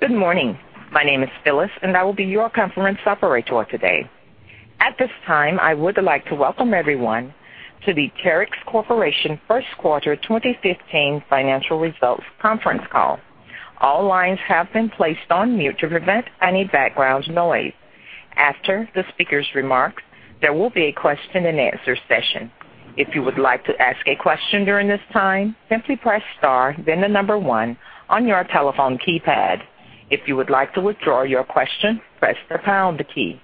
Good morning. My name is Phyllis, and I will be your conference operator today. At this time, I would like to welcome everyone to the Terex Corporation First Quarter 2015 Financial Results Conference Call. All lines have been placed on mute to prevent any background noise. After the speaker's remarks, there will be a question-and-answer session. If you would like to ask a question during this time, simply press star then the 1 on your telephone keypad. If you would like to withdraw your question, press the pound key.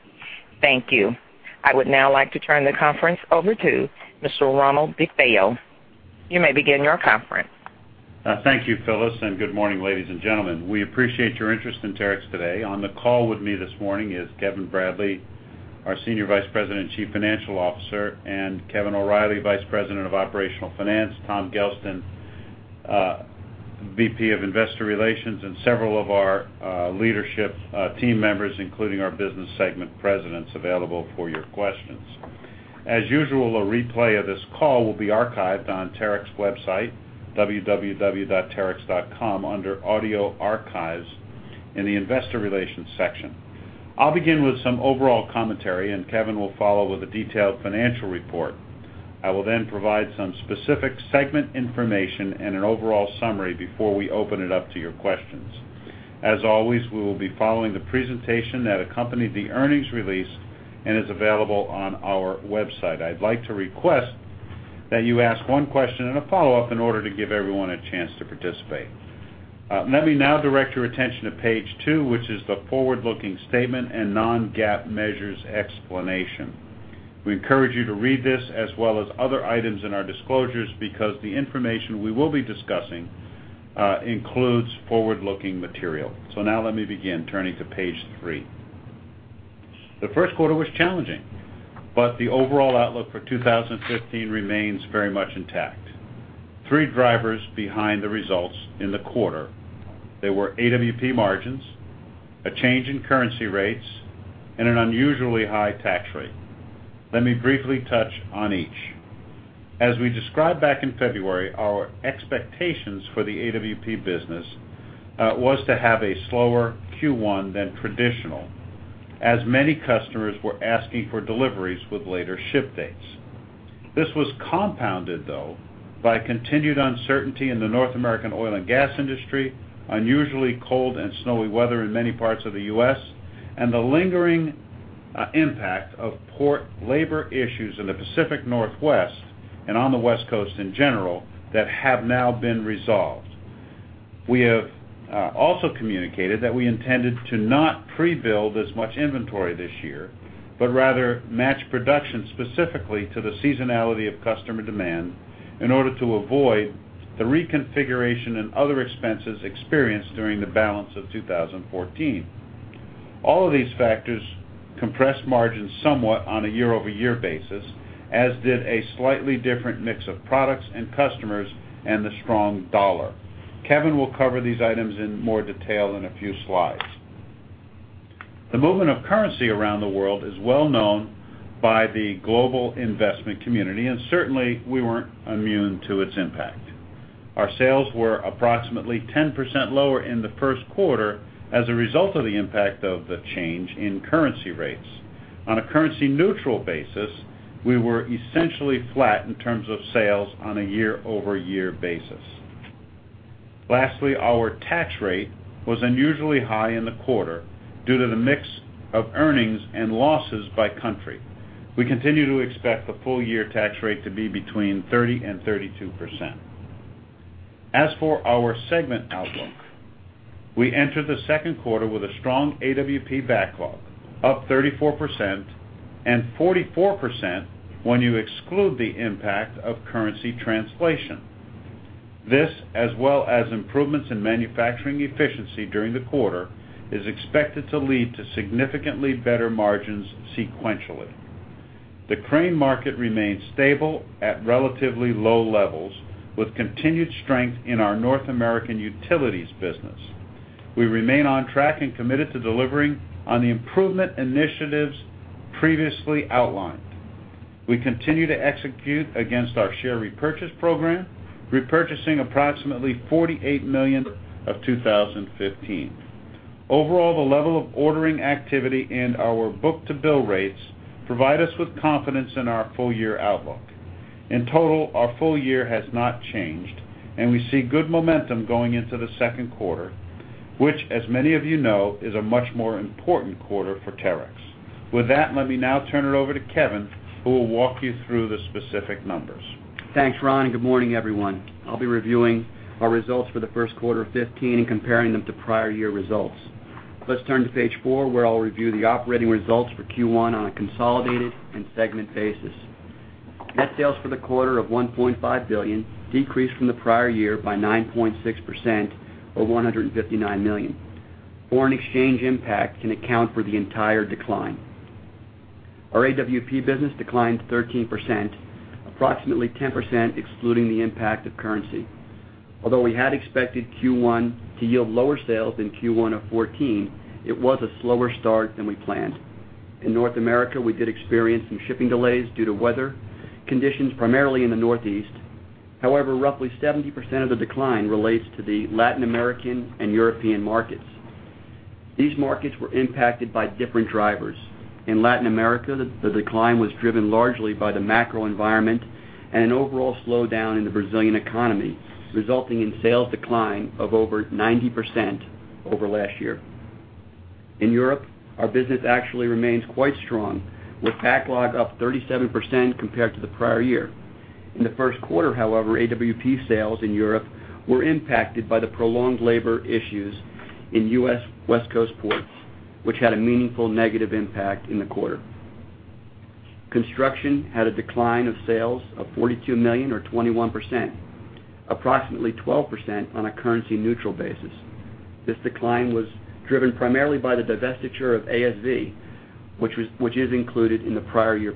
Thank you. I would now like to turn the conference over to Mr. Ronald DeFeo. You may begin your conference. Thank you, Phyllis, good morning, ladies and gentlemen. We appreciate your interest in Terex today. On the call with me this morning is Kevin Bradley, our Senior Vice President and Chief Financial Officer, Kevin O'Reilly, Vice President of Operational Finance, Tom Gelston, VP of Investor Relations, several of our leadership team members, including our business segment presidents available for your questions. As usual, a replay of this call will be archived on Terex website, terex.com, under Audio Archives in the Investor Relations section. I'll begin with some overall commentary, Kevin will follow with a detailed financial report. I will then provide some specific segment information and an overall summary before we open it up to your questions. As always, we will be following the presentation that accompanied the earnings release and is available on our website. I'd like to request that you ask one question and a follow-up in order to give everyone a chance to participate. Let me now direct your attention to page 2, which is the "Forward-Looking Statement and Non-GAAP Measures Explanation." We encourage you to read this as well as other items in our disclosures because the information we will be discussing includes forward-looking material. Now let me begin turning to page 3. The first quarter was challenging, the overall outlook for 2015 remains very much intact. Three drivers behind the results in the quarter. They were AWP margins, a change in currency rates, an unusually high tax rate. Let me briefly touch on each. As we described back in February, our expectations for the AWP business was to have a slower Q1 than traditional, as many customers were asking for deliveries with later ship dates. This was compounded, though, by continued uncertainty in the North American oil and gas industry, unusually cold and snowy weather in many parts of the U.S., the lingering impact of port labor issues in the Pacific Northwest and on the West Coast in general that have now been resolved. We have also communicated that we intended to not pre-build as much inventory this year, rather match production specifically to the seasonality of customer demand in order to avoid the reconfiguration and other expenses experienced during the balance of 2014. All of these factors compressed margins somewhat on a year-over-year basis, as did a slightly different mix of products and customers and the strong dollar. Kevin will cover these items in more detail in a few slides. The movement of currency around the world is well known by the global investment community, and certainly we weren't immune to its impact. Our sales were approximately 10% lower in the first quarter as a result of the impact of the change in currency rates. On a currency-neutral basis, we were essentially flat in terms of sales on a year-over-year basis. Lastly, our tax rate was unusually high in the quarter due to the mix of earnings and losses by country. We continue to expect the full-year tax rate to be between 30% and 32%. As for our segment outlook, we enter the second quarter with a strong AWP backlog, up 34% and 44% when you exclude the impact of currency translation. This, as well as improvements in manufacturing efficiency during the quarter, is expected to lead to significantly better margins sequentially. The crane market remains stable at relatively low levels with continued strength in our North American utilities business. We remain on track and committed to delivering on the improvement initiatives previously outlined. We continue to execute against our share repurchase program, repurchasing approximately $48 million of 2015. Overall, the level of ordering activity and our book-to-bill rates provide us with confidence in our full-year outlook. In total, our full year has not changed, and we see good momentum going into the second quarter, which as many of you know, is a much more important quarter for Terex. With that, let me now turn it over to Kevin, who will walk you through the specific numbers. Thanks, Ron. Good morning, everyone. I'll be reviewing our results for the first quarter of 2015 and comparing them to prior year results. Let's turn to page 4, where I'll review the operating results for Q1 on a consolidated and segment basis. Net sales for the quarter of $1.5 billion decreased from the prior year by 9.6% or $159 million. Foreign exchange impact can account for the entire decline. Our AWP business declined 13%, approximately 10% excluding the impact of currency. Although we had expected Q1 to yield lower sales than Q1 of 2014, it was a slower start than we planned. In North America, we did experience some shipping delays due to weather conditions, primarily in the Northeast. However, roughly 70% of the decline relates to the Latin American and European markets. These markets were impacted by different drivers. In Latin America, the decline was driven largely by the macro environment and an overall slowdown in the Brazilian economy, resulting in sales decline of over 90% over last year. In Europe, our business actually remains quite strong, with backlog up 37% compared to the prior year. In the first quarter, however, AWP sales in Europe were impacted by the prolonged labor issues in U.S. West Coast ports, which had a meaningful negative impact in the quarter. Construction had a decline of sales of $42 million or 21%, approximately 12% on a currency-neutral basis. This decline was driven primarily by the divestiture of ASV, which is included in the prior year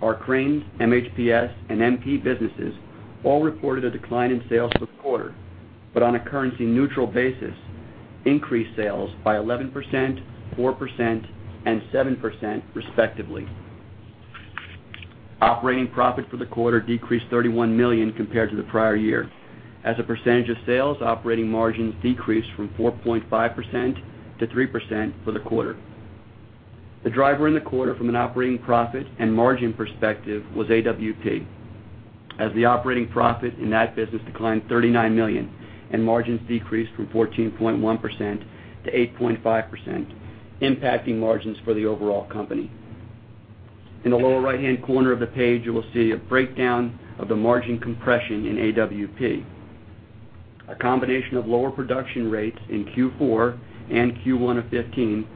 period. Our Cranes, MHPS, and MP businesses all reported a decline in sales this quarter, but on a currency-neutral basis, increased sales by 11%, 4%, and 7% respectively. Operating profit for the quarter decreased $31 million compared to the prior year. As a percentage of sales, operating margins decreased from 4.5%-3% for the quarter. The driver in the quarter from an operating profit and margin perspective was AWP, as the operating profit in that business declined $39 million and margins decreased from 14.1%-8.5%, impacting margins for the overall company. In the lower right-hand corner of the page, you will see a breakdown of the margin compression in AWP. A combination of lower production rates in Q4 and Q1 2015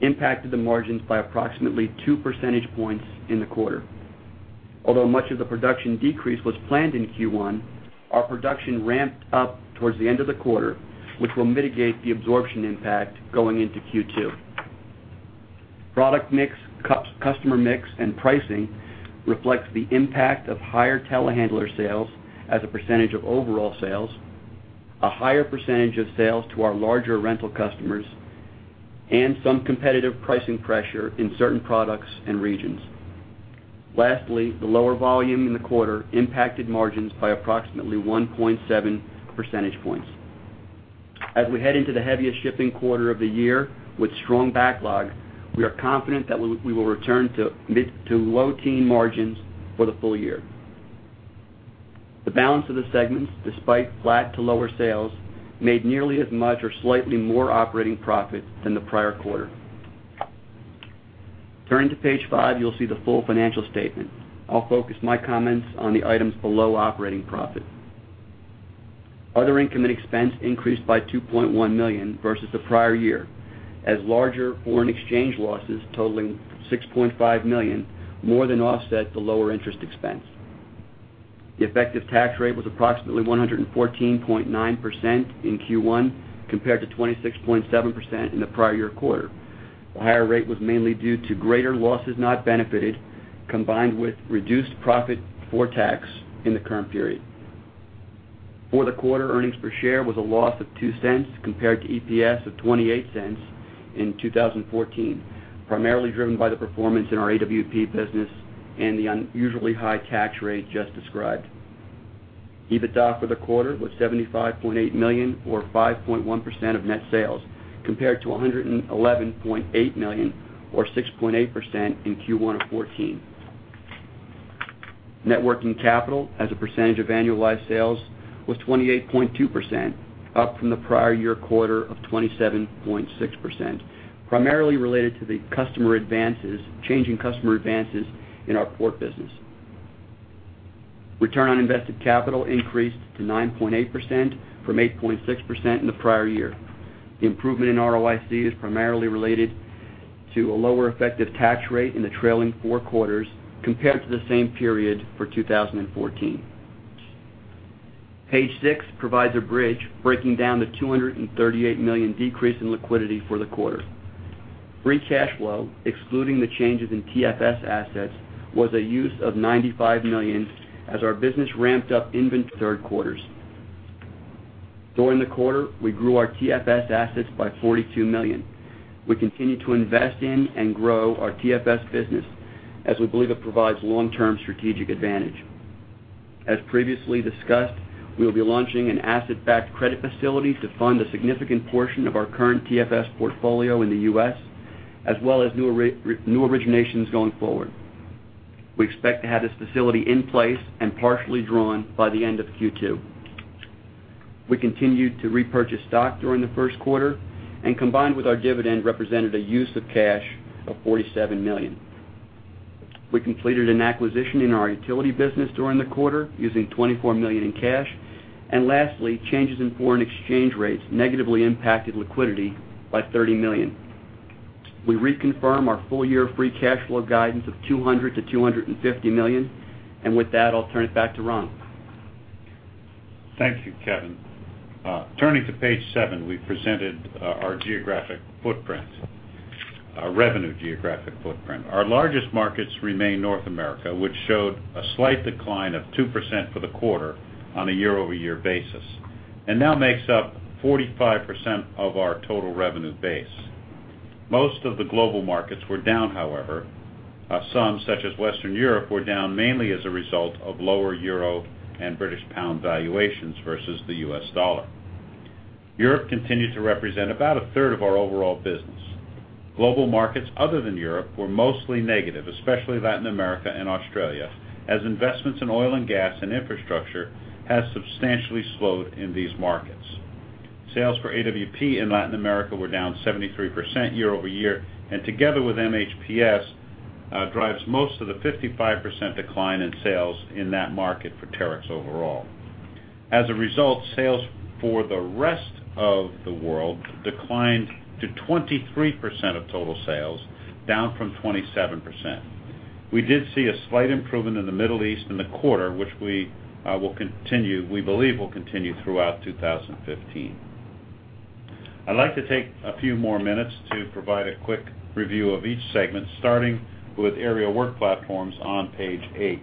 impacted the margins by approximately two percentage points in the quarter. Although much of the production decrease was planned in Q1, our production ramped up towards the end of the quarter, which will mitigate the absorption impact going into Q2. Product mix, customer mix, and pricing reflects the impact of higher telehandler sales as a percentage of overall sales, a higher percentage of sales to our larger rental customers, and some competitive pricing pressure in certain products and regions. Lastly, the lower volume in the quarter impacted margins by approximately 1.7 percentage points. As we head into the heaviest shipping quarter of the year with strong backlog, we are confident that we will return to mid- to low-teen margins for the full year. The balance of the segments, despite flat to lower sales, made nearly as much or slightly more operating profit than the prior quarter. Turning to page five, you'll see the full financial statement. I'll focus my comments on the items below operating profit. Other income and expense increased by $2.1 million versus the prior year, as larger foreign exchange losses totaling $6.5 million more than offset the lower interest expense. The effective tax rate was approximately 114.9% in Q1, compared to 26.7% in the prior year quarter. The higher rate was mainly due to greater losses not benefited, combined with reduced profit for tax in the current period. For the quarter, earnings per share was a loss of $0.02 compared to EPS of $0.28 in 2014, primarily driven by the performance in our AWP business and the unusually high tax rate just described. EBITDA for the quarter was $75.8 million or 5.1% of net sales, compared to $111.8 million or 6.8% in Q1 2014. Net working capital as a percentage of annualized sales was 28.2%, up from the prior year quarter of 27.6%, primarily related to the changing customer advances in our port business. Return on invested capital increased to 9.8%-8.6% in the prior year. The improvement in ROIC is primarily related to a lower effective tax rate in the trailing four quarters compared to the same period for 2014. Page six provides a bridge breaking down the $238 million decrease in liquidity for the quarter. Free cash flow, excluding the changes in TFS assets, was a use of $95 million as our business ramped up inventory third quarters. During the quarter, we grew our TFS assets by $42 million. We continue to invest in and grow our TFS business as we believe it provides long-term strategic advantage. As previously discussed, we will be launching an asset-backed credit facility to fund a significant portion of our current TFS portfolio in the U.S., as well as new originations going forward. We expect to have this facility in place and partially drawn by the end of Q2. We continued to repurchase stock during the first quarter, and combined with our dividend, represented a use of cash of $47 million. Lastly, we completed an acquisition in our utility business during the quarter using $24 million in cash. Changes in foreign exchange rates negatively impacted liquidity by $30 million. We reconfirm our full-year free cash flow guidance of $200 million-$250 million. With that, I'll turn it back to Ron. Thank you, Kevin. Turning to page seven, we presented our geographic footprint, our revenue geographic footprint. Our largest markets remain North America, which showed a slight decline of 2% for the quarter on a year-over-year basis and now makes up 45% of our total revenue base. Most of the global markets were down, however. Some, such as Western Europe, were down mainly as a result of lower euro and British pound valuations versus the U.S. dollar. Europe continued to represent about a third of our overall business. Global markets other than Europe were mostly negative, especially Latin America and Australia, as investments in oil and gas and infrastructure has substantially slowed in these markets. Sales for AWP in Latin America were down 73% year-over-year, and together with MHPS, drives most of the 55% decline in sales in that market for Terex overall. As a result, sales for the rest of the world declined to 23% of total sales, down from 27%. We did see a slight improvement in the Middle East in the quarter, which we believe will continue throughout 2015. I'd like to take a few more minutes to provide a quick review of each segment, starting with Aerial Work Platforms on page 8.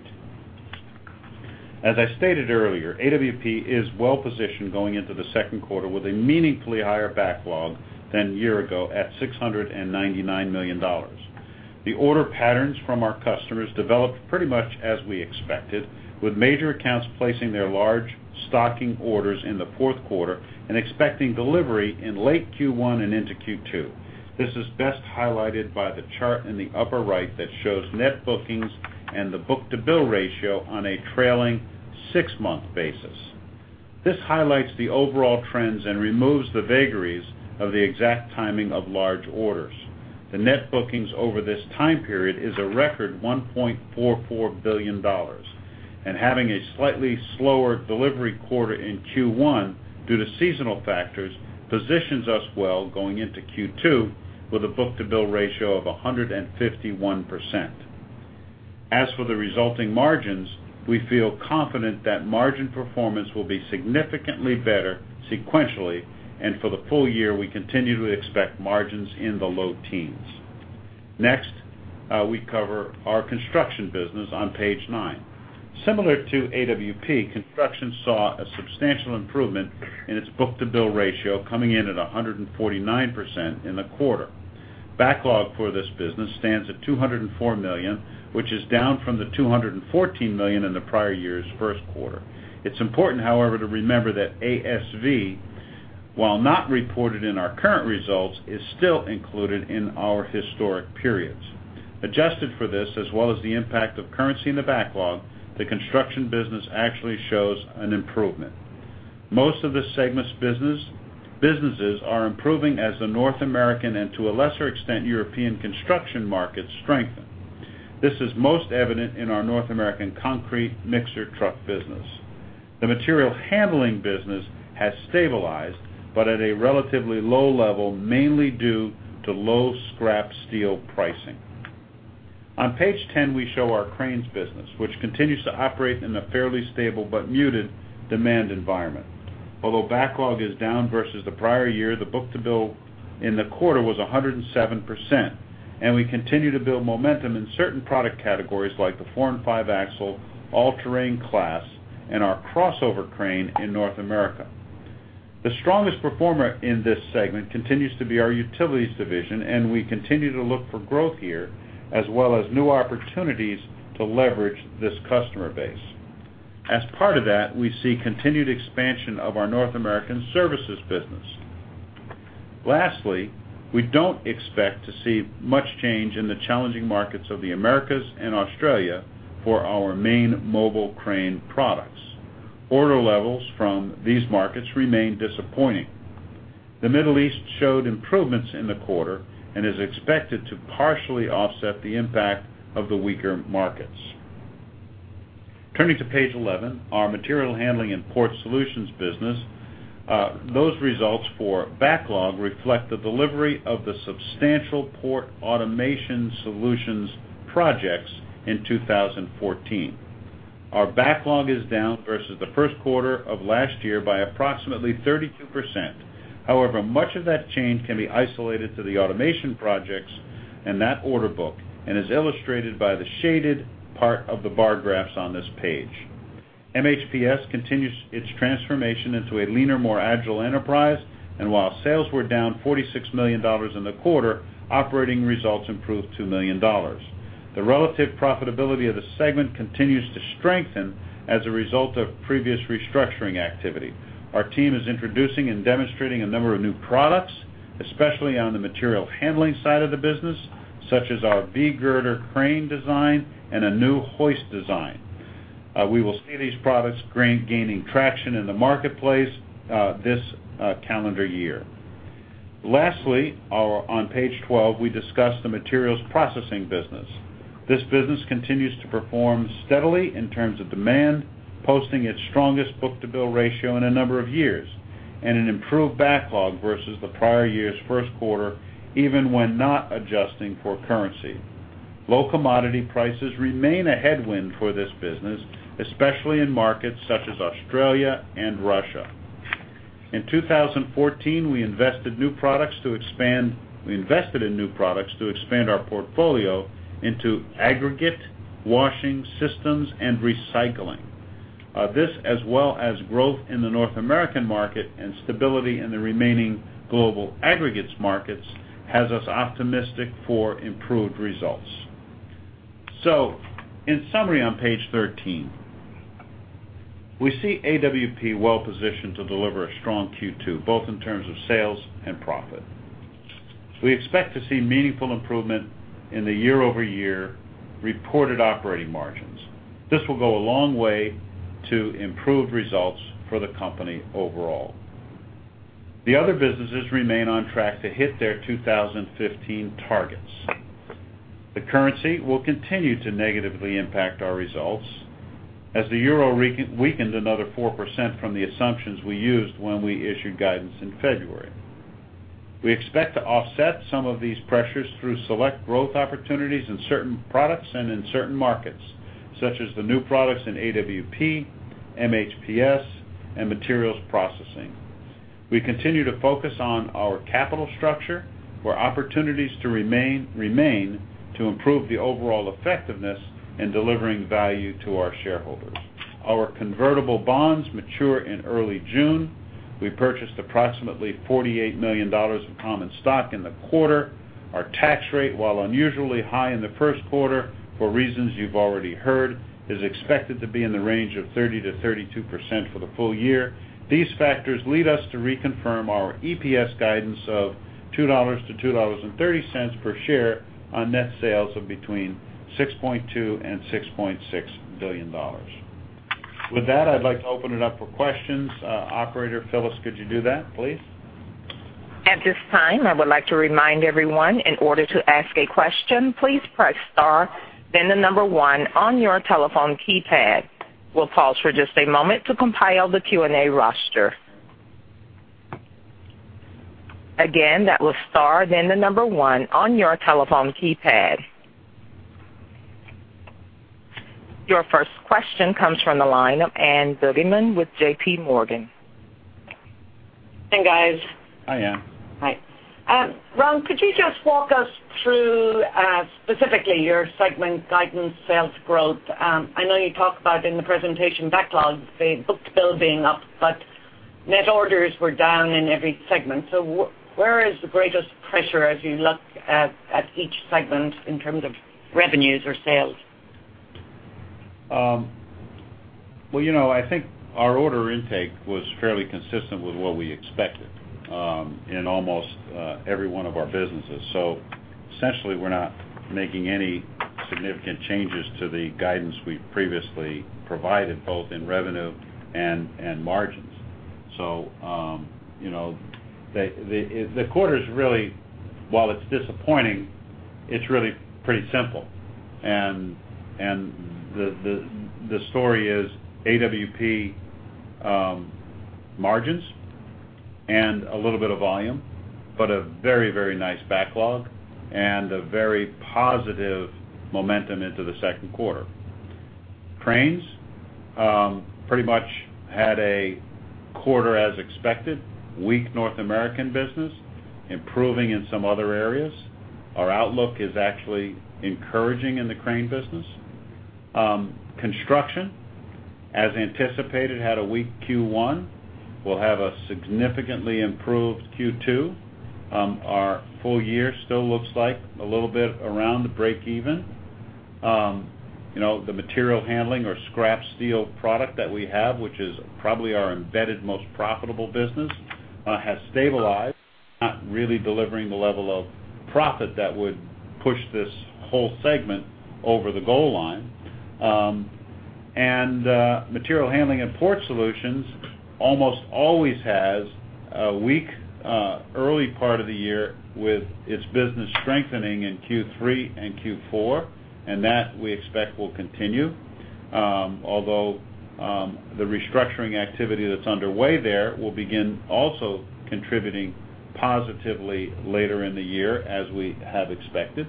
As I stated earlier, AWP is well-positioned going into the second quarter with a meaningfully higher backlog than a year ago at $699 million. The order patterns from our customers developed pretty much as we expected, with major accounts placing their large stocking orders in the fourth quarter and expecting delivery in late Q1 and into Q2. This is best highlighted by the chart in the upper right that shows net bookings and the book-to-bill ratio on a trailing six-month basis. This highlights the overall trends and removes the vagaries of the exact timing of large orders. The net bookings over this time period is a record $1.44 billion, and having a slightly slower delivery quarter in Q1 due to seasonal factors positions us well going into Q2 with a book-to-bill ratio of 151%. As for the resulting margins, we feel confident that margin performance will be significantly better sequentially, and for the full year, we continue to expect margins in the low teens. We cover our construction business on page nine. Similar to AWP, construction saw a substantial improvement in its book-to-bill ratio, coming in at 149% in the quarter. Backlog for this business stands at $204 million, which is down from the $214 million in the prior year's first quarter. It's important, however, to remember that ASV, while not reported in our current results, is still included in our historic periods. Adjusted for this, as well as the impact of currency in the backlog, the construction business actually shows an improvement. Most of the segment's businesses are improving as the North American, and to a lesser extent, European construction markets strengthen. This is most evident in our North American concrete mixer truck business. The material handling business has stabilized, but at a relatively low level, mainly due to low scrap steel pricing. On page 10, we show our cranes business, which continues to operate in a fairly stable but muted demand environment. Although backlog is down versus the prior year, the book-to-bill in the quarter was 107%, and we continue to build momentum in certain product categories like the four and five-axle all-terrain class and our crossover crane in North America. The strongest performer in this segment continues to be our Utilities division, and we continue to look for growth here, as well as new opportunities to leverage this customer base. As part of that, we see continued expansion of our North American services business. Lastly, we don't expect to see much change in the challenging markets of the Americas and Australia for our main mobile crane products. Order levels from these markets remain disappointing. The Middle East showed improvements in the quarter and is expected to partially offset the impact of the weaker markets. Turning to page 11, our Material Handling and Port Solutions business. Those results for backlog reflect the delivery of the substantial port automation solutions projects in 2014. Our backlog is down versus the first quarter of last year by approximately 32%. However, much of that change can be isolated to the automation projects and that order book and is illustrated by the shaded part of the bar graphs on this page. MHPS continues its transformation into a leaner, more agile enterprise, and while sales were down $46 million in the quarter, operating results improved $2 million. The relative profitability of the segment continues to strengthen as a result of previous restructuring activity. Our team is introducing and demonstrating a number of new products, especially on the material handling side of the business, such as our V-girder crane design and a new hoist design. We will see these products gaining traction in the marketplace this calendar year. Lastly, on page 12, we discuss the Materials Processing business. This business continues to perform steadily in terms of demand, posting its strongest book-to-bill ratio in a number of years, and an improved backlog versus the prior year's first quarter, even when not adjusting for currency. Low commodity prices remain a headwind for this business, especially in markets such as Australia and Russia. In 2014, we invested in new products to expand our portfolio into aggregate washing systems and recycling. This as well as growth in the North American market and stability in the remaining global aggregates markets has us optimistic for improved results. In summary, on page 13, we see AWP well-positioned to deliver a strong Q2, both in terms of sales and profit. We expect to see meaningful improvement in the year-over-year reported operating margins. This will go a long way to improve results for the company overall. The other businesses remain on track to hit their 2015 targets. The currency will continue to negatively impact our results as the EUR weakened another 4% from the assumptions we used when we issued guidance in February. We expect to offset some of these pressures through select growth opportunities in certain products and in certain markets, such as the new products in AWP, MHPS, and Materials Processing. We continue to focus on our capital structure, where opportunities to remain to improve the overall effectiveness in delivering value to our shareholders. Our convertible bonds mature in early June. We purchased approximately $48 million of common stock in the quarter. Our tax rate, while unusually high in the first quarter, for reasons you've already heard, is expected to be in the range of 30%-32% for the full year. These factors lead us to reconfirm our EPS guidance of $2-$2.30 per share on net sales of between $6.2 billion and $6.6 billion. With that, I'd like to open it up for questions. Operator Phyllis, could you do that, please? At this time, I would like to remind everyone, in order to ask a question, please press star, then the number 1 on your telephone keypad. We'll pause for just a moment to compile the Q&A roster. Again, that was star, then the number 1 on your telephone keypad. Your first question comes from the line of Ann Duignan with JPMorgan. Hi, guys. Hi, Ann. Hi. Ron, could you just walk us through, specifically your segment guidance sales growth? I know you talked about in the presentation backlog, the book-to-bill being up, but net orders were down in every segment. Where is the greatest pressure as you look at each segment in terms of revenues or sales? Well, I think our order intake was fairly consistent with what we expected in almost every one of our businesses. Essentially, we're not making any significant changes to the guidance we previously provided, both in revenue and margins. The quarter's really, while it's disappointing, it's really pretty simple. The story is AWP margins and a little bit of volume, but a very nice backlog and a very positive momentum into the second quarter. Cranes pretty much had a quarter as expected. Weak North American business, improving in some other areas. Our outlook is actually encouraging in the crane business. Construction, as anticipated, had a weak Q1. We'll have a significantly improved Q2. Our full year still looks like a little bit around the break-even. The material handling or scrap steel product that we have, which is probably our embedded most profitable business has stabilized, not really delivering the level of profit that would push this whole segment over the goal line. Material Handling and Port Solutions almost always has a weak early part of the year with its business strengthening in Q3 and Q4, and that we expect will continue. Although, the restructuring activity that's underway there will begin also contributing positively later in the year as we have expected.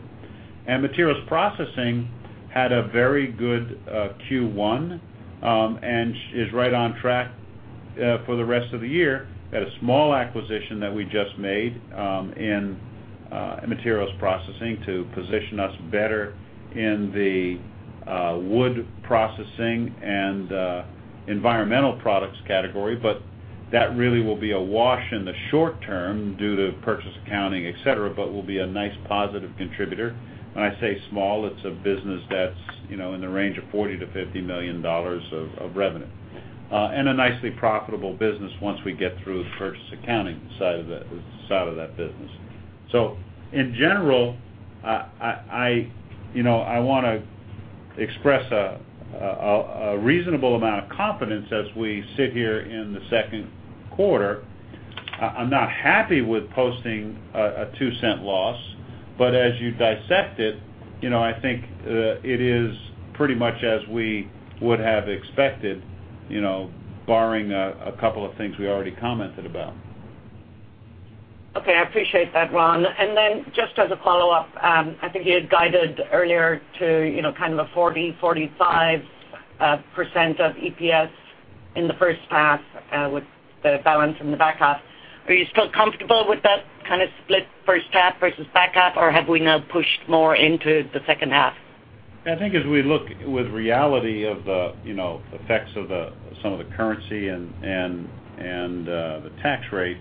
Materials Processing had a very good Q1, and is right on track for the rest of the year at a small acquisition that we just made in Materials Processing to position us better in the wood processing and environmental products category. That really will be a wash in the short term due to purchase accounting, et cetera, but will be a nice positive contributor. When I say small, it's a business that's in the range of $40 million to $50 million of revenue. A nicely profitable business once we get through the purchase accounting side of that business. In general, I want to express a reasonable amount of confidence as we sit here in the second quarter. I'm not happy with posting a $0.02 loss, but as you dissect it, I think it is pretty much as we would have expected, barring a couple of things we already commented about. Okay. I appreciate that, Ron. Just as a follow-up, I think you had guided earlier to kind of a 40%-45% of EPS in the first half with the balance in the back half. Are you still comfortable with that kind of split first half versus back half, or have we now pushed more into the second half? I think as we look with reality of the effects of some of the currency and the tax rate,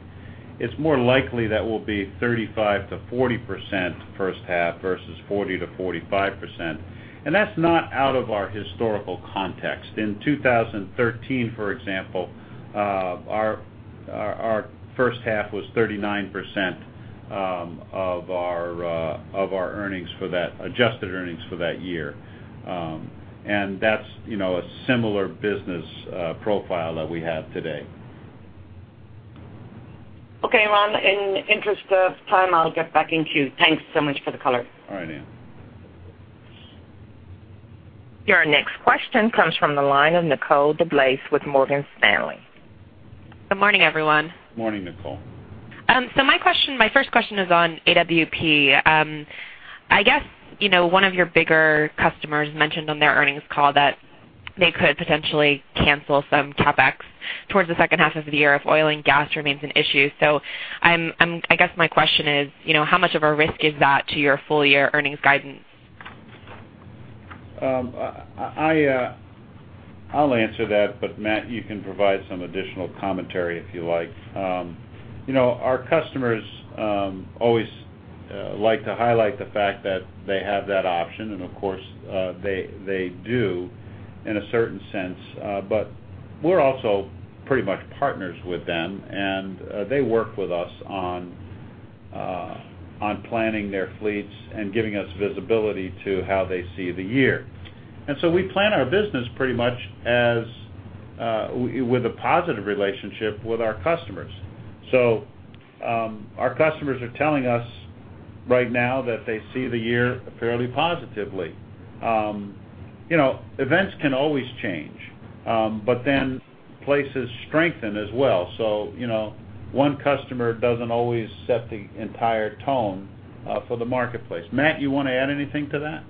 it's more likely that we'll be 35%-40% first half versus 40%-45%. That's not out of our historical context. In 2013, for example, our first half was 39% of our adjusted earnings for that year. That's a similar business profile that we have today. Okay, Ron, in interest of time, I'll get back in queue. Thanks so much for the color. All right, Ann. Your next question comes from the line of Nicole DeBlase with Morgan Stanley. Good morning, everyone. Good morning, Nicole. My first question is on AWP. I guess, one of your bigger customers mentioned on their earnings call that they could potentially cancel some CapEx towards the second half of the year if oil and gas remains an issue. I guess my question is, how much of a risk is that to your full year earnings guidance? I'll answer that, Matt, you can provide some additional commentary if you like. Our customers always like to highlight the fact that they have that option, and of course, they do in a certain sense. We're also pretty much partners with them, and they work with us on planning their fleets and giving us visibility to how they see the year. We plan our business pretty much with a positive relationship with our customers. Our customers are telling us right now that they see the year fairly positively. Events can always change, but then places strengthen as well. One customer doesn't always set the entire tone for the marketplace. Matt, you want to add anything to that?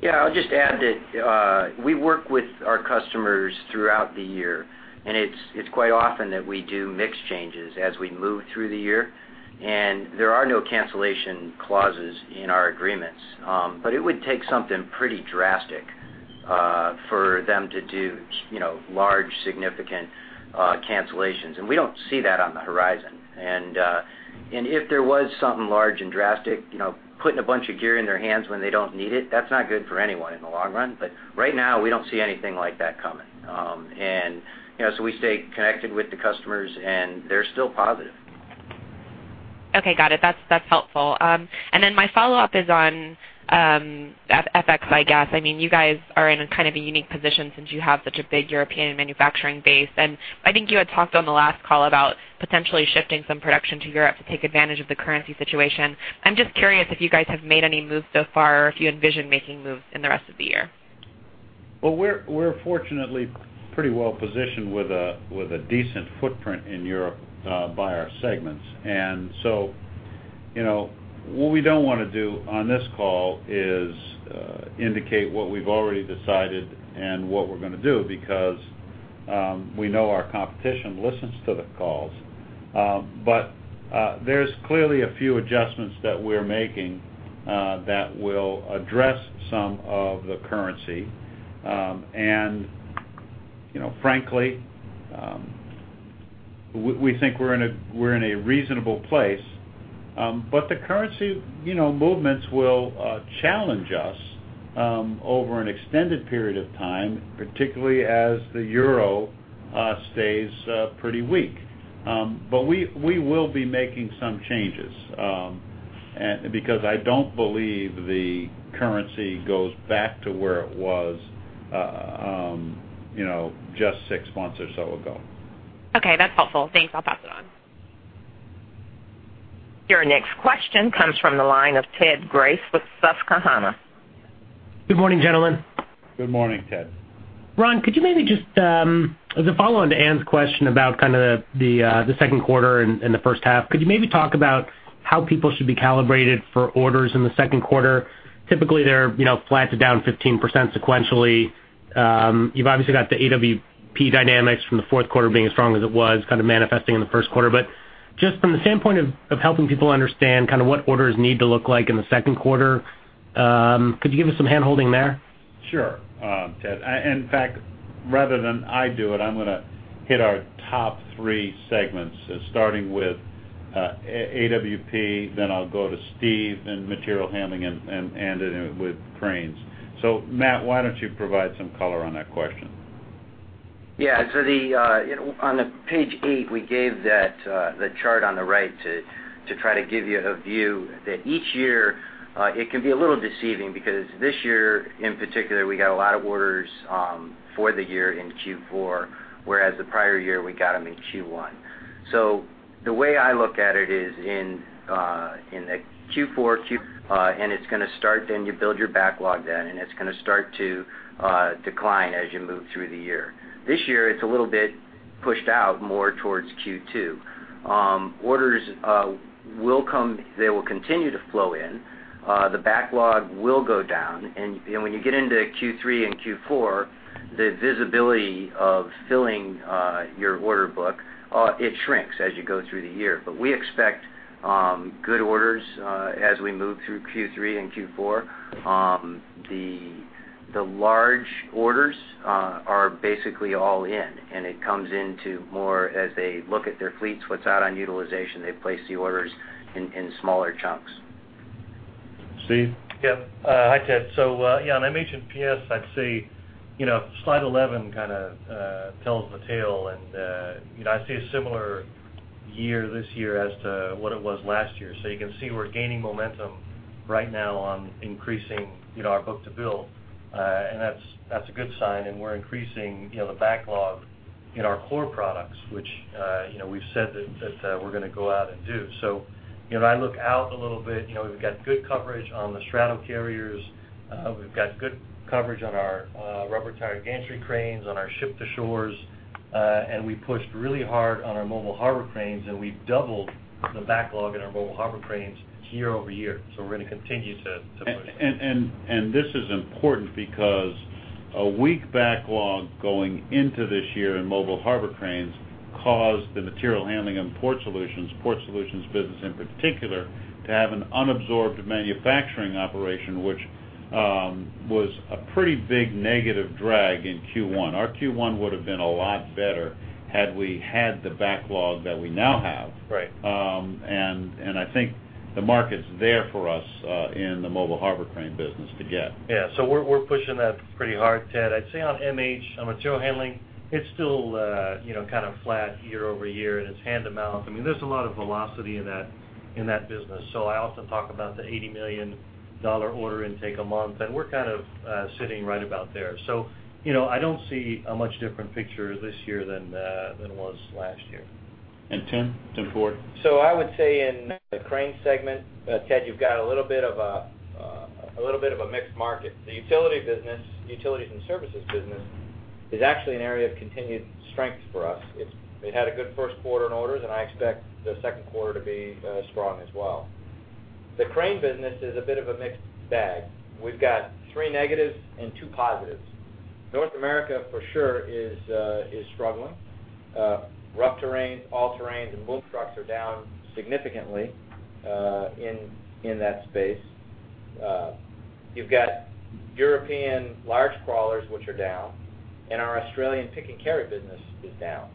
Yeah, I'll just add that we work with our customers throughout the year, and it's quite often that we do mix changes as we move through the year. There are no cancellation clauses in our agreements. It would take something pretty drastic, for them to do large, significant cancellations. We don't see that on the horizon. If there was something large and drastic, putting a bunch of gear in their hands when they don't need it, that's not good for anyone in the long run. Right now, we don't see anything like that coming. We stay connected with the customers, and they're still positive. Okay, got it. That's helpful. My follow-up is on FX, I guess. You guys are in a kind of a unique position since you have such a big European manufacturing base. I think you had talked on the last call about potentially shifting some production to Europe to take advantage of the currency situation. I'm just curious if you guys have made any moves so far or if you envision making moves in the rest of the year. Well, we're fortunately pretty well positioned with a decent footprint in Europe by our segments. What we don't want to do on this call is indicate what we've already decided and what we're going to do, because we know our competition listens to the calls. There's clearly a few adjustments that we're making that will address some of the currency. Frankly, we think we're in a reasonable place. The currency movements will challenge us over an extended period of time, particularly as the euro stays pretty weak. We will be making some changes, because I don't believe the currency goes back to where it was just six months or so ago. Okay, that's helpful. Thanks. I'll pass it on. Your next question comes from the line of Ted Grace with Susquehanna. Good morning, gentlemen. Good morning, Ted. Ron, as a follow-on to Ann's question about kind of the second quarter and the first half, could you maybe talk about how people should be calibrated for orders in the second quarter? Typically, they're flat to down 15% sequentially. You've obviously got the AWP dynamics from the fourth quarter being as strong as it was kind of manifesting in the first quarter. Just from the standpoint of helping people understand kind of what orders need to look like in the second quarter, could you give us some handholding there? Sure, Ted. In fact, rather than I do it, I'm going to hit our top three segments, starting with AWP, then I'll go to Steve, then Material Handling and end it with Cranes. Matt, why don't you provide some color on that question? Yeah. On page eight, we gave that chart on the right to try to give you a view that each year it can be a little deceiving because this year in particular, we got a lot of orders for the year in Q4, whereas the prior year, we got them in Q1. The way I look at it is in the Q4, and it's going to start, then you build your backlog then, and it's going to start to decline as you move through the year. Pushed out more towards Q2. Orders will come. They will continue to flow in. The backlog will go down. When you get into Q3 and Q4, the visibility of filling your order book, it shrinks as you go through the year. We expect good orders as we move through Q3 and Q4. The large orders are basically all in, and it comes into more as they look at their fleets, what's out on utilization, they place the orders in smaller chunks. Steve? Yeah. Hi, Ted. Yeah, on MH and PS, I'd say slide 11 kind of tells the tale. I see a similar year this year as to what it was last year. You can see we're gaining momentum right now on increasing our book-to-bill, and that's a good sign. We're increasing the backlog in our core products, which we've said that we're going to go out and do. I look out a little bit, we've got good coverage on the Straddle Carriers, we've got good coverage on our Rubber-Tired Gantry Cranes, on our Ship-to-Shores. We pushed really hard on our Mobile Harbor Cranes, and we've doubled the backlog in our Mobile Harbor Cranes year-over-year. We're going to continue to push. This is important because a weak backlog going into this year in Mobile Harbor Cranes caused the Material Handling and Port Solutions business, in particular, to have an unabsorbed manufacturing operation, which was a pretty big negative drag in Q1. Our Q1 would've been a lot better had we had the backlog that we now have. Right. I think the market's there for us, in the Mobile Harbor Crane business to get. We're pushing that pretty hard, Ted. I'd say on MH, on Material Handling, it's still kind of flat year-over-year, and it's hand-to-mouth. I mean, there's a lot of velocity in that business. I often talk about the $80 million order intake a month, and we're kind of sitting right about there. I don't see a much different picture this year than it was last year. Tim? Tim Ford. I would say in the Cranes segment, Ted, you've got a little bit of a mixed market. The utility business, Utilities and Services business, is actually an area of continued strength for us. It had a good first quarter in orders, and I expect the second quarter to be strong as well. The Crane business is a bit of a mixed bag. We've got three negatives and two positives. North America, for sure is struggling. Rough terrains, all terrains, and boom trucks are down significantly, in that space. You've got European large crawlers, which are down, and our Australian pick and carry business is down.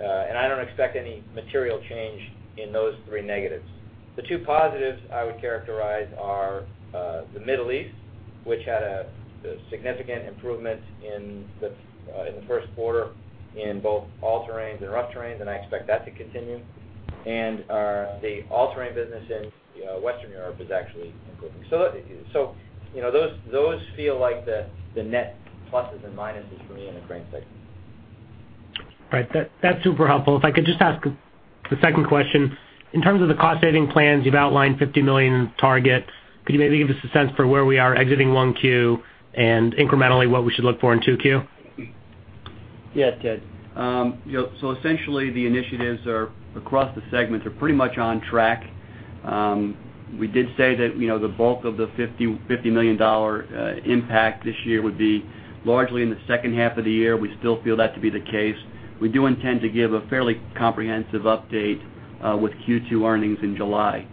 I don't expect any material change in those three negatives. The two positives I would characterize are the Middle East, which had a significant improvement in the first quarter in both all-terrains and rough terrains, and I expect that to continue. The all-terrain business in Western Europe is actually improving. Those feel like the net pluses and minuses for me in the Cranes segment. Right. That's super helpful. If I could just ask the second question. In terms of the cost-saving plans, you've outlined $50 million target. Could you maybe give us a sense for where we are exiting one Q and incrementally what we should look for in two Q? Yeah, Ted. Essentially the initiatives across the segments are pretty much on track. We did say that the bulk of the $50 million impact this year would be largely in the second half of the year. We still feel that to be the case. We do intend to give a fairly comprehensive update with Q2 earnings in July,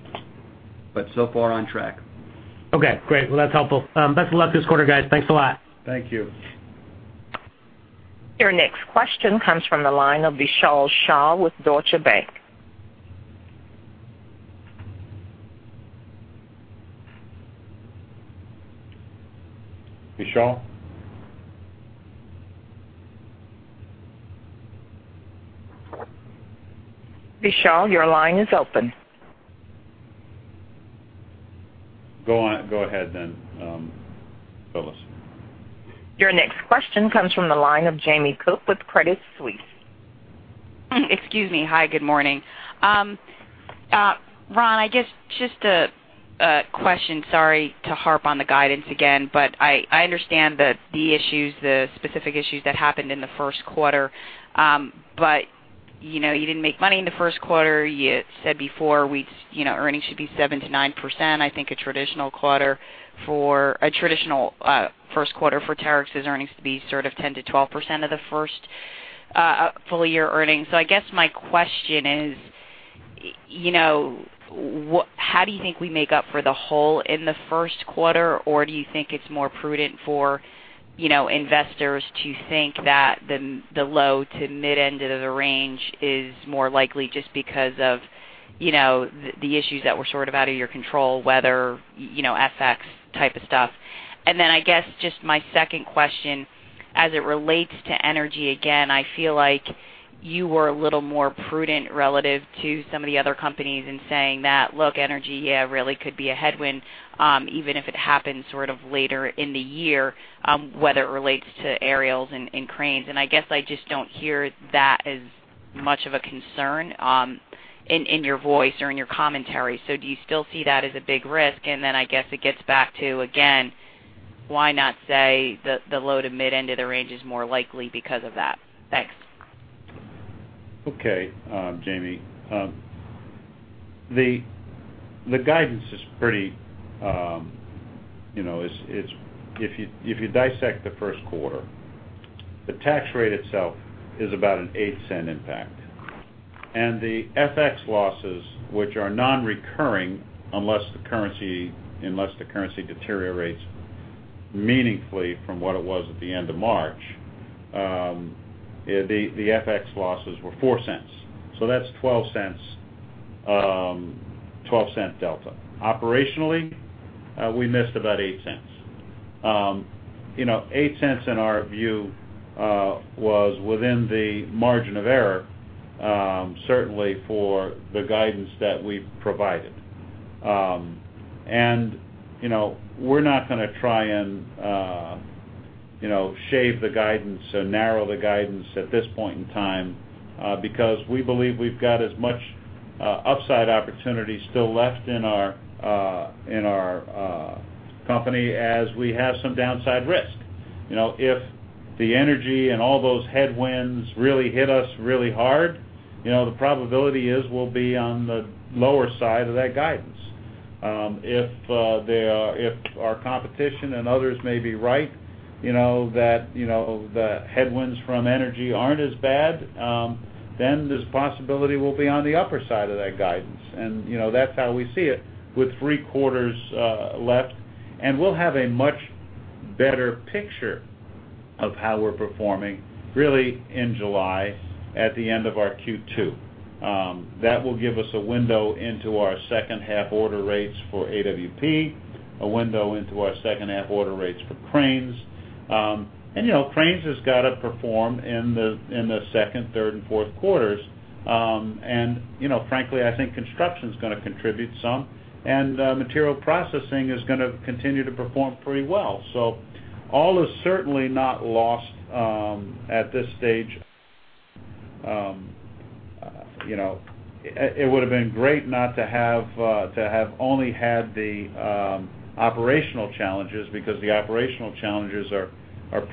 but so far on track. Okay, great. Well, that's helpful. Best of luck this quarter, guys. Thanks a lot. Thank you. Your next question comes from the line of Vishal Shah with Deutsche Bank. Vishal? Vishal, your line is open. Go ahead then, Phyllis. Your next question comes from the line of Jamie Cook with Credit Suisse. Excuse me. Hi, good morning. Ron, I guess just a question. Sorry to harp on the guidance again. I understand the issues, the specific issues that happened in the first quarter. You didn't make money in the first quarter. You had said before earnings should be 7%-9%. I think a traditional first quarter for Terex's earnings to be sort of 10%-12% of the first full year earnings. I guess my question is, how do you think we make up for the hole in the first quarter, or do you think it's more prudent for investors to think that the low- to mid-end of the range is more likely just because of the issues that were sort of out of your control, weather, FX type of stuff? I guess just my second question, as it relates to energy, again, I feel like you were a little more prudent relative to some of the other companies in saying that, "Look, energy, yeah, really could be a headwind, even if it happens sort of later in the year, whether it relates to aerials and cranes." I guess I just don't hear that as much of a concern in your voice or in your commentary. Do you still see that as a big risk? I guess it gets back to, again, why not say the low- to mid-end of the range is more likely because of that? Thanks. Okay, Jamie. The guidance, if you dissect the first quarter, the tax rate itself is about a $0.08 impact. The FX losses, which are non-recurring unless the currency deteriorates meaningfully from what it was at the end of March, the FX losses were $0.04. That's $0.12 delta. Operationally, we missed about $0.08. $0.08 in our view was within the margin of error, certainly for the guidance that we've provided. We're not going to try and shave the guidance or narrow the guidance at this point in time because we believe we've got as much upside opportunity still left in our company as we have some downside risk. If the energy and all those headwinds really hit us really hard, the probability is we'll be on the lower side of that guidance. If our competition and others may be right, that the headwinds from energy aren't as bad, there's a possibility we'll be on the upper side of that guidance. That's how we see it with 3 quarters left, and we'll have a much better picture of how we're performing really in July at the end of our Q2. That will give us a window into our second half order rates for AWP, a window into our second half order rates for cranes. Cranes has got to perform in the second, third, and fourth quarters. Frankly, I think construction's going to contribute some, and material processing is going to continue to perform pretty well. All is certainly not lost at this stage. It would've been great not to have only had the operational challenges because the operational challenges are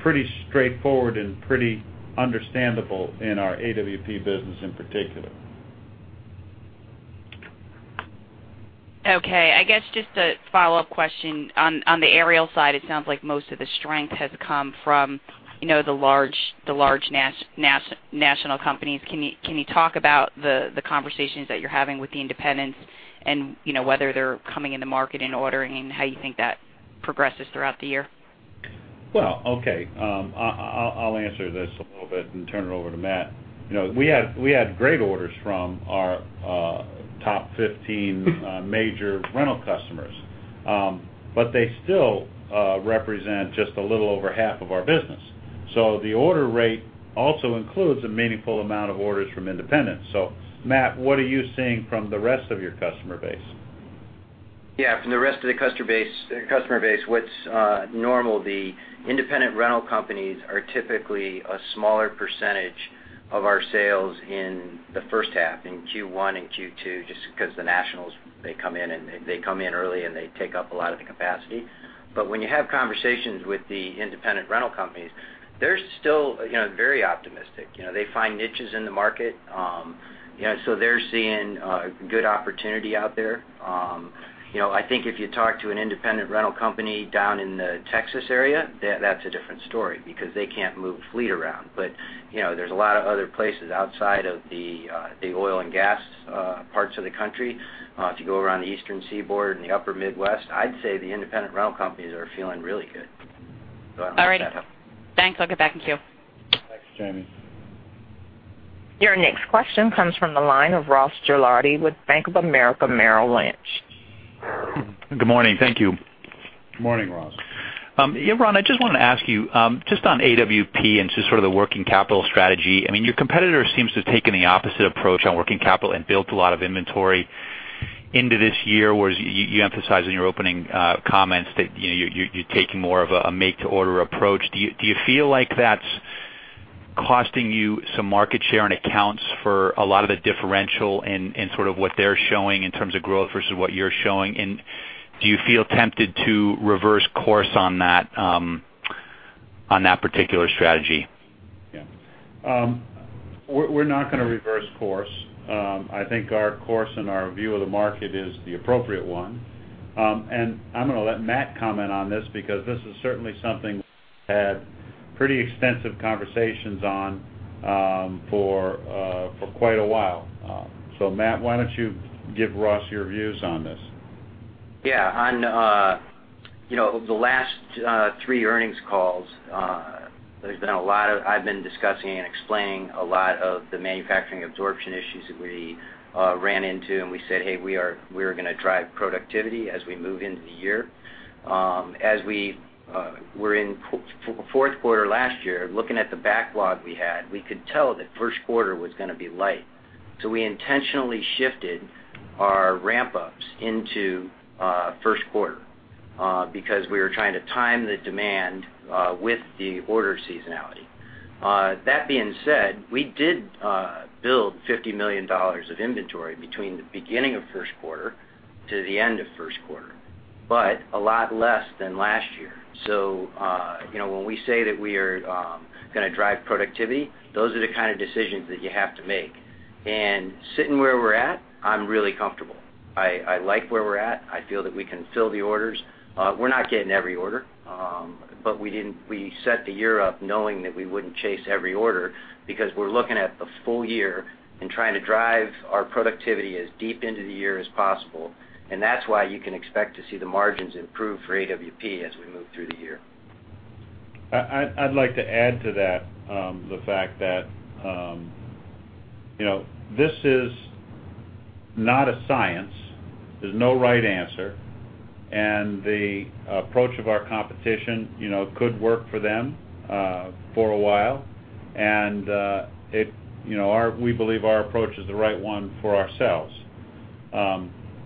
pretty straightforward and pretty understandable in our AWP business in particular. Okay. I guess just a follow-up question. On the aerial side, it sounds like most of the strength has come from the large national companies. Can you talk about the conversations that you're having with the independents and whether they're coming in the market and ordering, and how you think that progresses throughout the year? Well, okay. I'll answer this a little bit and turn it over to Matt. We had great orders from our top 15 major rental customers. They still represent just a little over half of our business. The order rate also includes a meaningful amount of orders from independents. Matt, what are you seeing from the rest of your customer base? Yeah. From the rest of the customer base, what's normal, the independent rental companies are typically a smaller percentage of our sales in the first half, in Q1 and Q2, just because the nationals, they come in early, and they take up a lot of the capacity. When you have conversations with the independent rental companies, they're still very optimistic. They find niches in the market. They're seeing good opportunity out there. I think if you talk to an independent rental company down in the Texas area, that's a different story because they can't move fleet around. There's a lot of other places outside of the oil and gas parts of the country. If you go around the Eastern Seaboard and the upper Midwest, I'd say the independent rental companies are feeling really good. I'll let Matt. All right. Thanks. I'll get back in queue. Thanks, Jamie. Your next question comes from the line of Ross Gilardi with Bank of America Merrill Lynch. Good morning. Thank you. Good morning, Ross. Ron, I just wanted to ask you, just on AWP and just sort of the working capital strategy. I mean, your competitor seems to have taken the opposite approach on working capital and built a lot of inventory into this year, whereas you emphasized in your opening comments that you're taking more of a make to order approach. Do you feel like that's costing you some market share and accounts for a lot of the differential in sort of what they're showing in terms of growth versus what you're showing, and do you feel tempted to reverse course on that particular strategy? Yeah. We're not going to reverse course. I think our course and our view of the market is the appropriate one. I'm going to let Matt comment on this because this is certainly something we've had pretty extensive conversations on for quite a while. Matt, why don't you give Ross your views on this? Yeah. On the last three earnings calls, I've been discussing and explaining a lot of the manufacturing absorption issues that we ran into, and we said, "Hey, we are going to drive productivity as we move into the year." As we were in fourth quarter last year, looking at the backlog we had, we could tell that first quarter was going to be light. We intentionally shifted our ramp-ups into first quarter because we were trying to time the demand with the order seasonality. That being said, we did build $50 million of inventory between the beginning of the first quarter to the end of the first quarter, but a lot less than last year. When we say that we are going to drive productivity, those are the kind of decisions that you have to make. Sitting where we're at, I'm really comfortable. I like where we're at. I feel that we can fill the orders. We're not getting every order. We set the year up knowing that we wouldn't chase every order, because we're looking at the full year and trying to drive our productivity as deep into the year as possible. That's why you can expect to see the margins improve for AWP as we move through the year. I'd like to add to that, the fact that this is not a science. There's no right answer, the approach of our competition could work for them for a while, and we believe our approach is the right one for ourselves.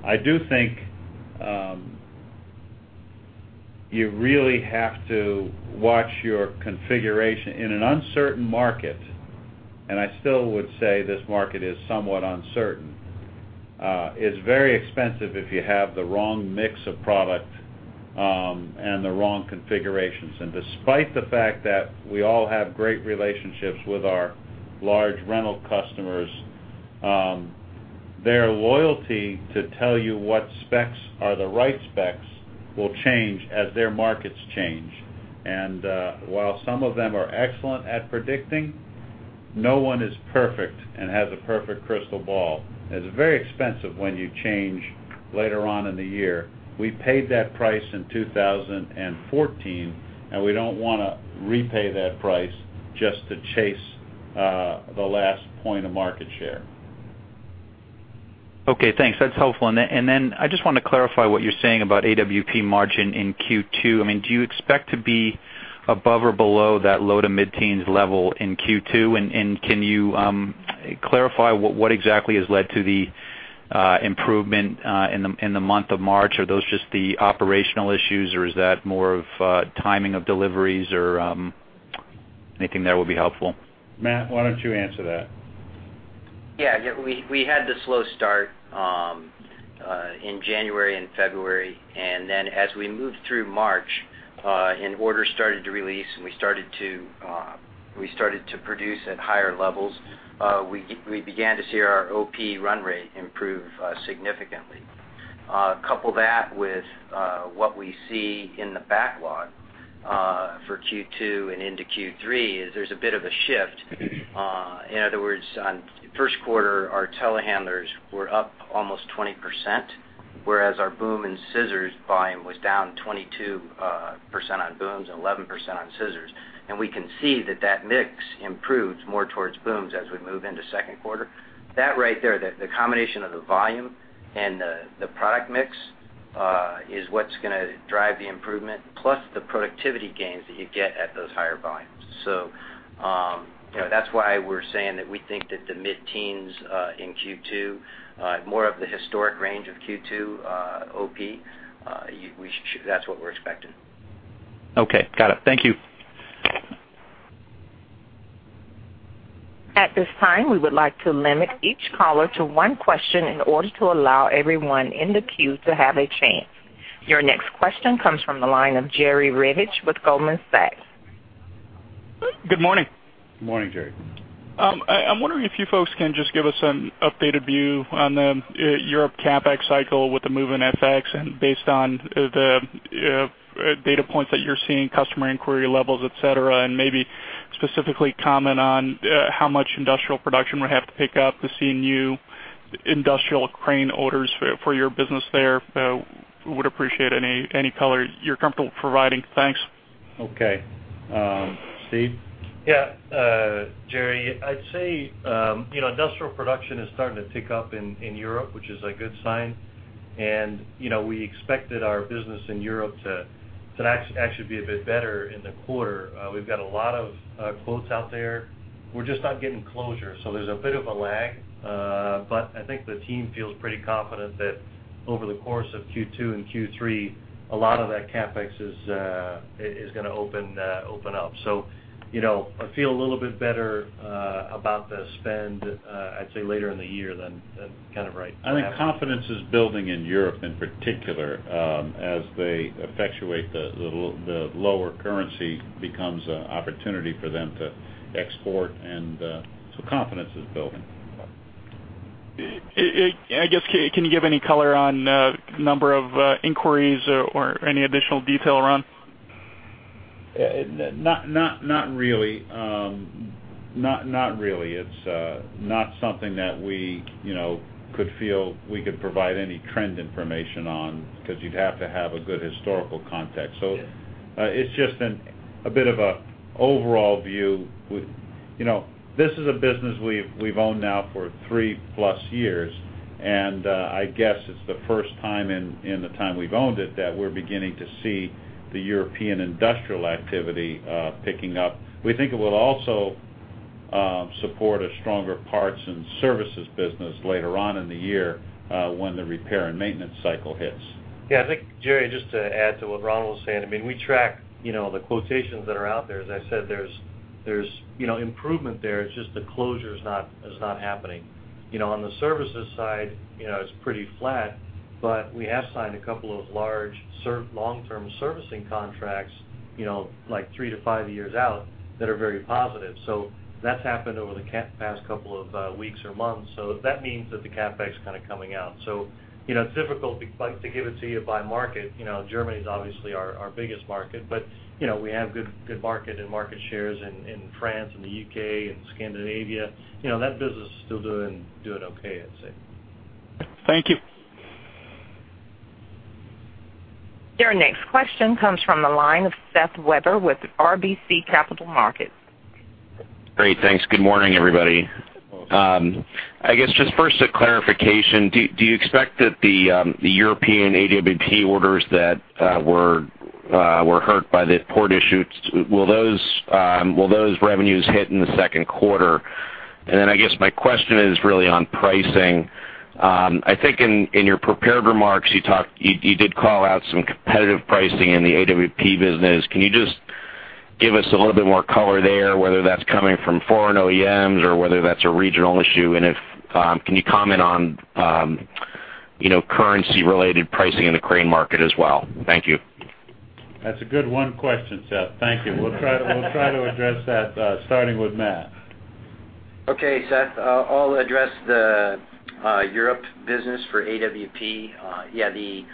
I do think you really have to watch your configuration. In an uncertain market, and I still would say this market is somewhat uncertain, it's very expensive if you have the wrong mix of product and the wrong configurations. Despite the fact that we all have great relationships with our large rental customers, their loyalty to tell you what specs are the right specs will change as their markets change. While some of them are excellent at predicting, no one is perfect and has a perfect crystal ball. It's very expensive when you change later on in the year. We paid that price in 2014, we don't want to repay that price just to chase the last point of market share. Okay, thanks. That's helpful. I just want to clarify what you're saying about AWP margin in Q2. Do you expect to be above or below that low- to mid-teens level in Q2? Can you clarify what exactly has led to the improvement in the month of March? Are those just the operational issues, or is that more of timing of deliveries, or anything there would be helpful? Matt, why don't you answer that? Yeah. We had the slow start in January and February, and then as we moved through March and orders started to release, and we started to produce at higher levels, we began to see our OP run rate improve significantly. Couple that with what we see in the backlog for Q2 and into Q3, is there's a bit of a shift. In other words, on first quarter, our telehandlers were up almost 20%, whereas our boom and scissors volume was down 22% on booms and 11% on scissors. We can see that that mix improves more towards booms as we move into the second quarter. That right there, the combination of the volume and the product mix, is what's going to drive the improvement, plus the productivity gains that you get at those higher volumes. That's why we're saying that we think that the mid-teens in Q2, more of the historic range of Q2 OP, that's what we're expecting. Okay. Got it. Thank you. At this time, we would like to limit each caller to one question in order to allow everyone in the queue to have a chance. Your next question comes from the line of Jerry Revich with Goldman Sachs. Good morning. Good morning, Jerry. I'm wondering if you folks can just give us an updated view on the Europe CapEx cycle with the move in FX and based on the data points that you're seeing, customer inquiry levels, et cetera, and maybe specifically comment on how much industrial production would have to pick up to see new industrial crane orders for your business there. Would appreciate any color you're comfortable providing. Thanks. Okay. Steve? Yeah. Jerry, I'd say industrial production is starting to tick up in Europe, which is a good sign. We expected our business in Europe to actually be a bit better in the quarter. We've got a lot of quotes out there. We're just not getting closure. There's a bit of a lag. I think the team feels pretty confident that over the course of Q2 and Q3, a lot of that CapEx is going to open up. I feel a little bit better about the spend, I'd say, later in the year than right now. I think confidence is building in Europe in particular, as they effectuate the lower currency becomes an opportunity for them to export. Confidence is building. I guess, can you give any color on number of inquiries or any additional detail around? Not really. It's not something that we could feel we could provide any trend information on because you'd have to have a good historical context. Yeah. It's just a bit of an overall view. This is a business we've owned now for three-plus years, and I guess it's the first time in the time we've owned it that we're beginning to see the European industrial activity picking up. We think it will also support a stronger parts and services business later on in the year when the repair and maintenance cycle hits. Yeah, I think, Jerry, just to add to what Ronald was saying, we track the quotations that are out there, as I said, there's improvement there, it's just the closure is not happening. On the services side, it's pretty flat. We have signed a couple of large long-term servicing contracts, like three to five years out, that are very positive. That's happened over the past couple of weeks or months. That means that the CapEx is kind of coming out. It's difficult to give it to you by market. Germany is obviously our biggest market, but we have good market and market shares in France and the U.K. and Scandinavia. That business is still doing okay, I'd say. Thank you. Your next question comes from the line of Seth Weber with RBC Capital Markets. Great. Thanks. Good morning, everybody. Hello. I guess just first a clarification, do you expect that the European AWP orders that were hurt by the port issues, will those revenues hit in the second quarter? I guess my question is really on pricing. I think in your prepared remarks, you did call out some competitive pricing in the AWP business. Can you just give us a little bit more color there, whether that's coming from foreign OEMs or whether that's a regional issue, and can you comment on currency-related pricing in the crane market as well? Thank you. That's a good one question, Seth, thank you. We'll try to address that, starting with Matt. Okay, Seth, I'll address the Europe business for AWP. Yeah, the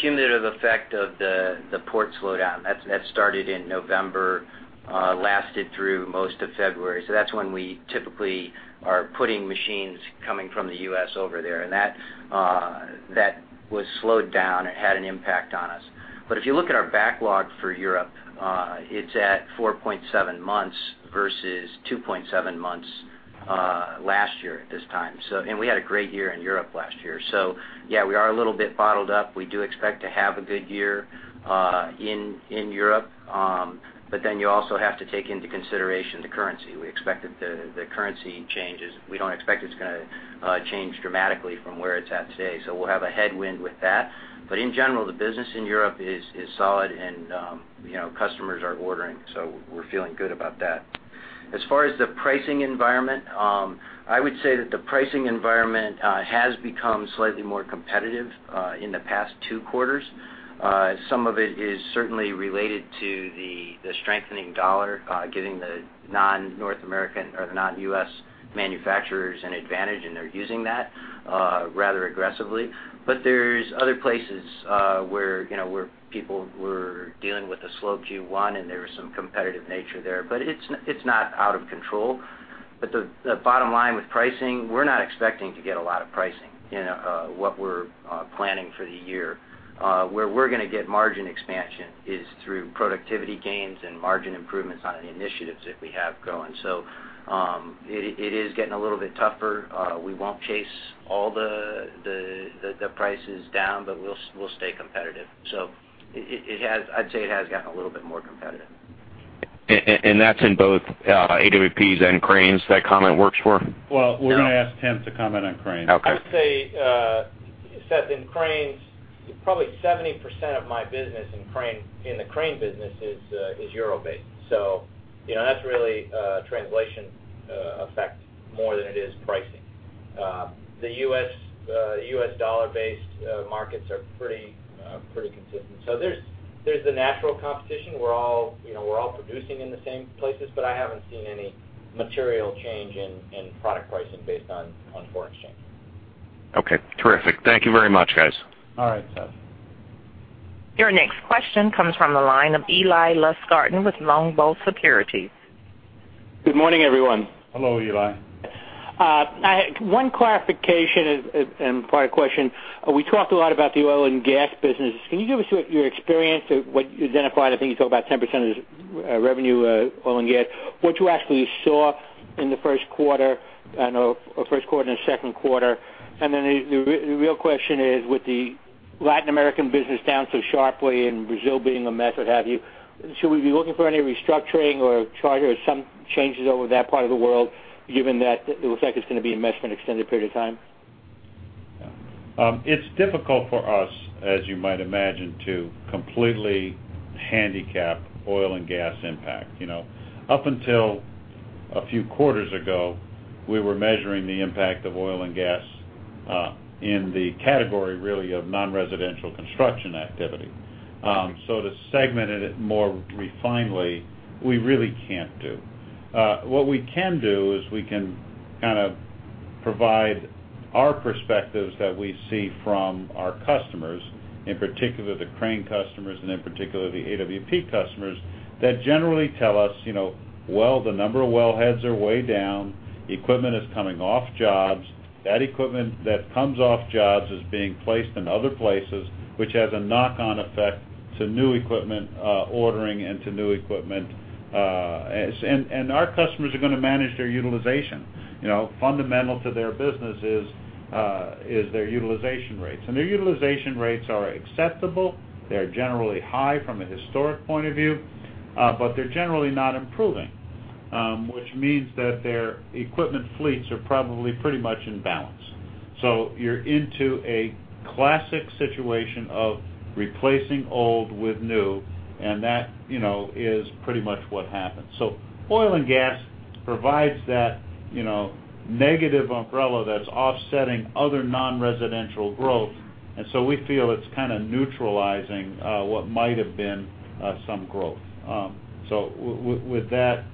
cumulative effect of the port slowdown that started in November, lasted through most of February. That's when we typically are putting machines coming from the U.S. over there, and that was slowed down. It had an impact on us. If you look at our backlog for Europe, it's at 4.7 months versus 2.7 months last year at this time. We had a great year in Europe last year. Yeah, we are a little bit bottled up. We do expect to have a good year in Europe. You also have to take into consideration the currency. We expect that the currency changes. We don't expect it's going to change dramatically from where it's at today. We'll have a headwind with that. In general, the business in Europe is solid and customers are ordering. We're feeling good about that. As far as the pricing environment, I would say that the pricing environment has become slightly more competitive in the past two quarters. Some of it is certainly related to the strengthening dollar, giving the non-North American or non-U.S. manufacturers an advantage, and they're using that rather aggressively. There's other places where people were dealing with a slow Q1, and there was some competitive nature there. It's not out of control. The bottom line with pricing, we're not expecting to get a lot of pricing in what we're planning for the year. Where we're going to get margin expansion is through productivity gains and margin improvements on the initiatives that we have going. It is getting a little bit tougher. We won't chase all the prices down, but we'll stay competitive. I'd say it has gotten a little bit more competitive. That's in both AWPs and cranes, that comment works for? Well, we're going to ask Tim to comment on cranes. Okay. I would say, Seth, in cranes, probably 70% of my business in the crane business is Euro-based. That's really a translation effect more than it is pricing. The U.S. dollar-based markets are pretty consistent. There's the natural competition. We're all producing in the same places, but I haven't seen any material change in product pricing based on foreign exchange. Okay, terrific. Thank you very much, guys. All right, Seth. Your next question comes from the line of Eli Lustgarten with Longbow Research LLC. Good morning, everyone. Hello, Eli. One clarification and part question. We talked a lot about the oil and gas businesses. Can you give us your experience of what you identified? I think you talk about 10% of the revenue, oil and gas. What you actually saw in the first quarter and second quarter. The real question is, with the Latin American business down so sharply and Brazil being a mess, what have you, should we be looking for any restructuring or charter or some changes over that part of the world, given that it looks like it is going to be a mess for an extended period of time? It's difficult for us, as you might imagine, to completely handicap oil and gas impact. Up until a few quarters ago, we were measuring the impact of oil and gas in the category, really, of non-residential construction activity. To segment it more refinedly, we really can't do. What we can do is we can kind of provide our perspectives that we see from our customers, in particular the crane customers and in particular the AWP customers, that generally tell us, "Well, the number of well heads are way down. Equipment is coming off jobs. That equipment that comes off jobs is being placed in other places, which has a knock-on effect to new equipment ordering and to new equipment." Our customers are going to manage their utilization. Fundamental to their business is their utilization rates. Their utilization rates are acceptable. They're generally high from a historic point of view, they're generally not improving. Their equipment fleets are probably pretty much in balance. You're into a classic situation of replacing old with new, and that is pretty much what happens. Oil and gas provides that negative umbrella that's offsetting other non-residential growth, and so we feel it's kind of neutralizing what might have been some growth. With that,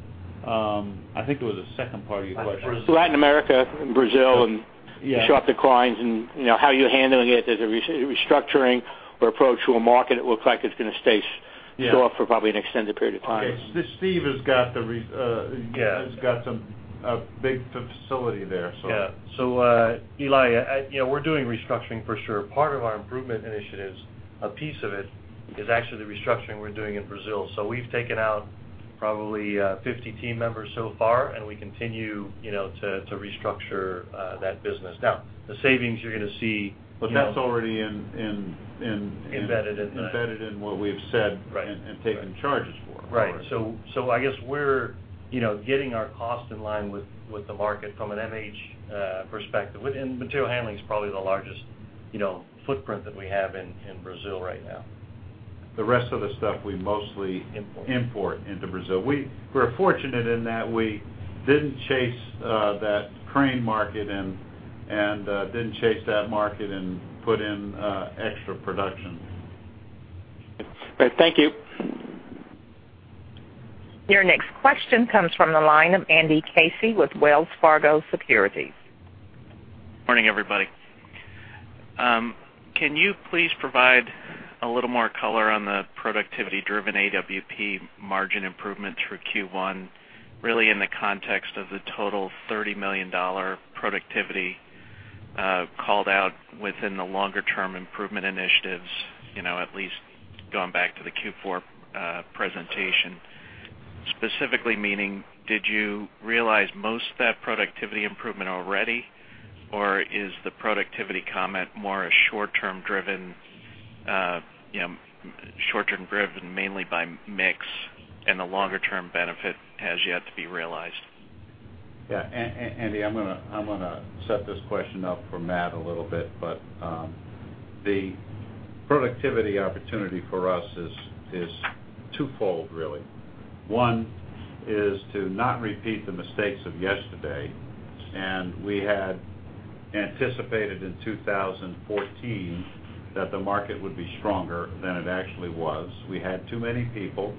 I think it was the second part of your question. Latin America and Brazil and Yeah The sharp declines and how you're handling it. There's a restructuring or approach to a market, it looks like it's going to stay Yeah slow for probably an extended period of time. Okay. Steve has got the. Yeah has got a big facility there. Yeah. Eli, we're doing restructuring for sure. Part of our improvement initiatives, a piece of it, is actually the restructuring we're doing in Brazil. We've taken out probably 50 team members so far, and we continue to restructure that business. Now, the savings you're going to see- That's already. Embedded in. Embedded in what we've. Right Taken charges for. Right. I guess we're getting our cost in line with the market from an MH perspective, and material handling is probably the largest footprint that we have in Brazil right now. The rest of the stuff we mostly Import import into Brazil. We're fortunate in that we didn't chase that crane market and didn't chase that market and put in extra production. Okay. Thank you. Your next question comes from the line of Andrew Casey with Wells Fargo Securities. Morning, everybody. Can you please provide a little more color on the productivity-driven AWP margin improvement through Q1, really in the context of the total $30 million productivity called out within the longer-term improvement initiatives at least going back to the Q4 presentation. Specifically meaning, did you realize most of that productivity improvement already, or is the productivity comment more a short-term driven mainly by mix and the longer-term benefit has yet to be realized? Yeah. Andy, I'm going to set this question up for Matt a little bit. The productivity opportunity for us is twofold, really. One is to not repeat the mistakes of yesterday. We had anticipated in 2014 that the market would be stronger than it actually was. We had too many people,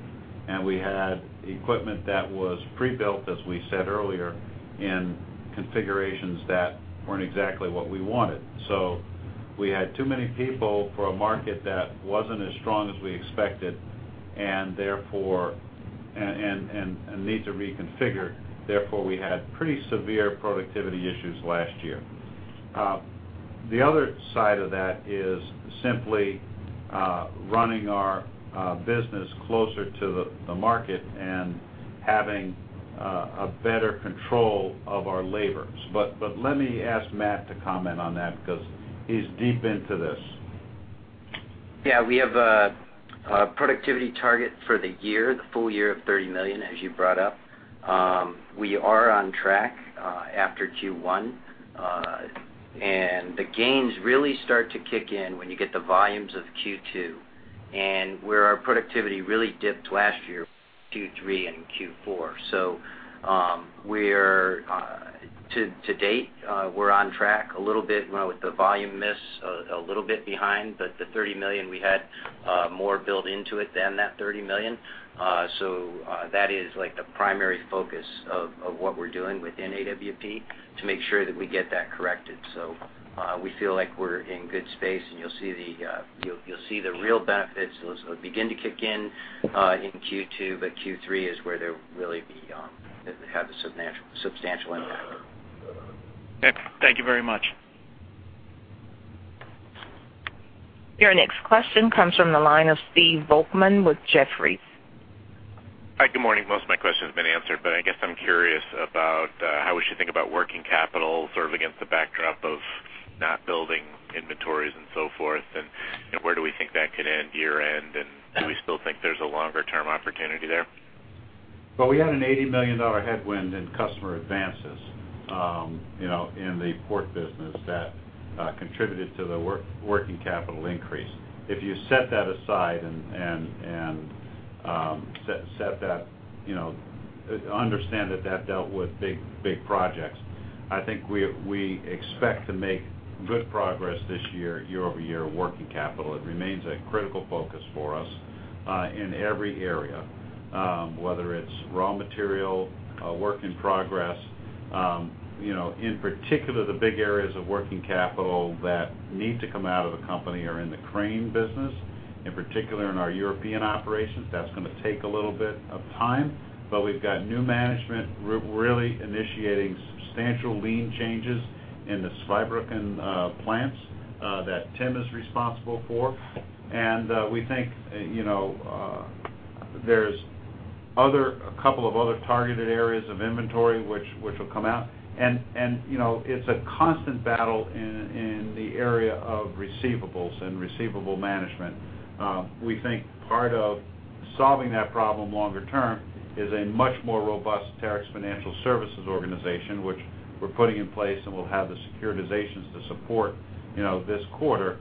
and we had equipment that was pre-built, as we said earlier, in configurations that weren't exactly what we wanted. We had too many people for a market that wasn't as strong as we expected, and need to reconfigure, therefore, we had pretty severe productivity issues last year. The other side of that is simply running our business closer to the market and having a better control of our labors. Let me ask Matt to comment on that because he's deep into this. Yeah, we have a productivity target for the year, the full year of $30 million, as you brought up. We are on track after Q1. The gains really start to kick in when you get the volumes of Q2, and where our productivity really dipped last year, Q3 and Q4. To date, we're on track a little bit with the volume miss, a little bit behind. The $30 million, we had more built into it than that $30 million. That is the primary focus of what we're doing within AWP to make sure that we get that corrected. We feel like we're in good space, and you'll see the real benefits begin to kick in in Q2. Q3 is where they'll really have a substantial impact. Okay. Thank you very much. Your next question comes from the line of Stephen Volkmann with Jefferies. Hi. Good morning. Most of my question's been answered, but I guess I'm curious about how we should think about working capital sort of against the backdrop of not building inventories and so forth, and where do we think that could end year-end, and do we still think there's a longer-term opportunity there? Well, we had an $80 million headwind in customer advances in the port business that contributed to the working capital increase. If you set that aside and understand that that dealt with big projects, I think we expect to make good progress this year-over-year working capital. It remains a critical focus for us in every area, whether it's raw material, work in progress. In particular, the big areas of working capital that need to come out of the company are in the crane business, in particular in our European operations. That's going to take a little bit of time, but we've got new management really initiating substantial lean changes in the Zweibrücken plants that Tim is responsible for. We think there's a couple of other targeted areas of inventory which will come out. It's a constant battle in the area of receivables and receivable management. We think part of solving that problem longer term is a much more robust Terex Financial Services organization, which we're putting in place, and we'll have the securitizations to support this quarter.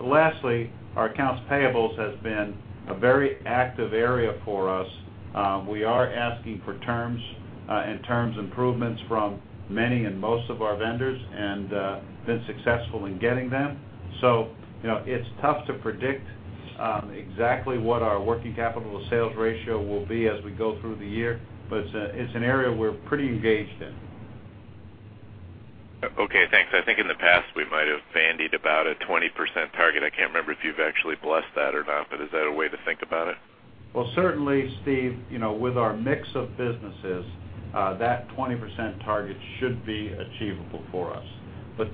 Lastly, our accounts payable has been a very active area for us. We are asking for terms and terms improvements from many and most of our vendors and have been successful in getting them. It's tough to predict exactly what our working capital sales ratio will be as we go through the year, but it's an area we're pretty engaged in. Okay, thanks. I think in the past, we might have bandied about a 20% target. I can't remember if you've actually blessed that or not, but is that a way to think about it? Well, certainly, Steve, with our mix of businesses, that 20% target should be achievable for us.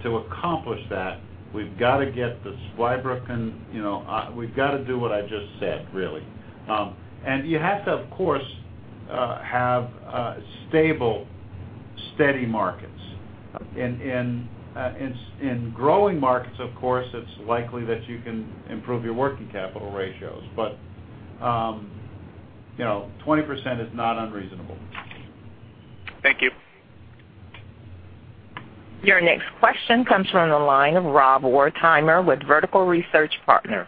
To accomplish that, we've got to do what I just said, really. You have to, of course, have stable, steady markets. In growing markets, of course, it's likely that you can improve your working capital ratios. 20% is not unreasonable. Thank you. Your next question comes from the line of Rob Wertheimer with Vertical Research Partners.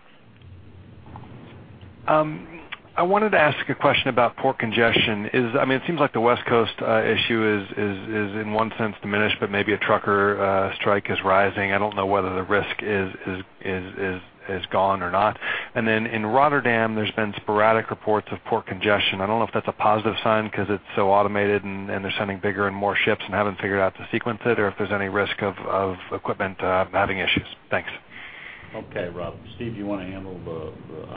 I wanted to ask a question about port congestion. It seems like the West Coast issue is in one sense diminished, but maybe a trucker strike is rising. I don't know whether the risk is gone or not. Then in Rotterdam, there's been sporadic reports of port congestion. I don't know if that's a positive sign because it's so automated, and they're sending bigger and more ships and haven't figured out to sequence it, or if there's any risk of equipment having issues. Thanks. Okay, Rob. Steve, do you want to handle?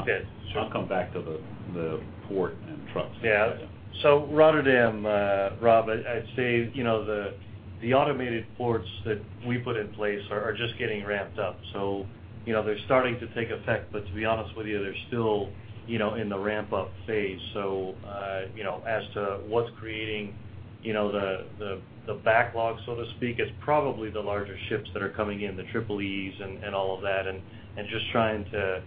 Yes, sure. I'll come back to the port and trucks. Rotterdam, Rob Wertheimer, I'd say, the automated ports that we put in place are just getting ramped up. They're starting to take effect, but to be honest with you, they're still in the ramp-up phase. As to what's creating the backlog, so to speak, it's probably the larger ships that are coming in, the Triple-E's and all of that, and just trying to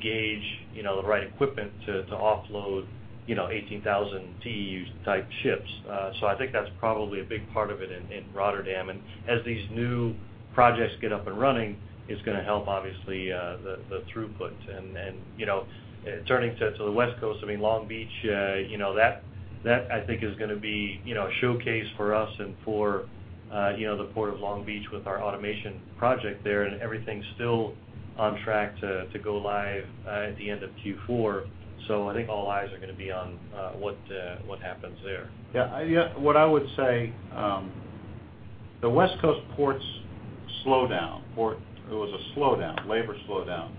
gauge the right equipment to offload 18,000 TEU type ships. I think that's probably a big part of it in Rotterdam. As these new projects get up and running, it's going to help, obviously, the throughput. Turning to the West Coast, Long Beach, that I think is going to be a showcase for us and for the Port of Long Beach with our automation project there, everything's still on track to go live at the end of Q4. I think all eyes are going to be on what happens there. What I would say, the West Coast ports' slowdown, it was a labor slowdown,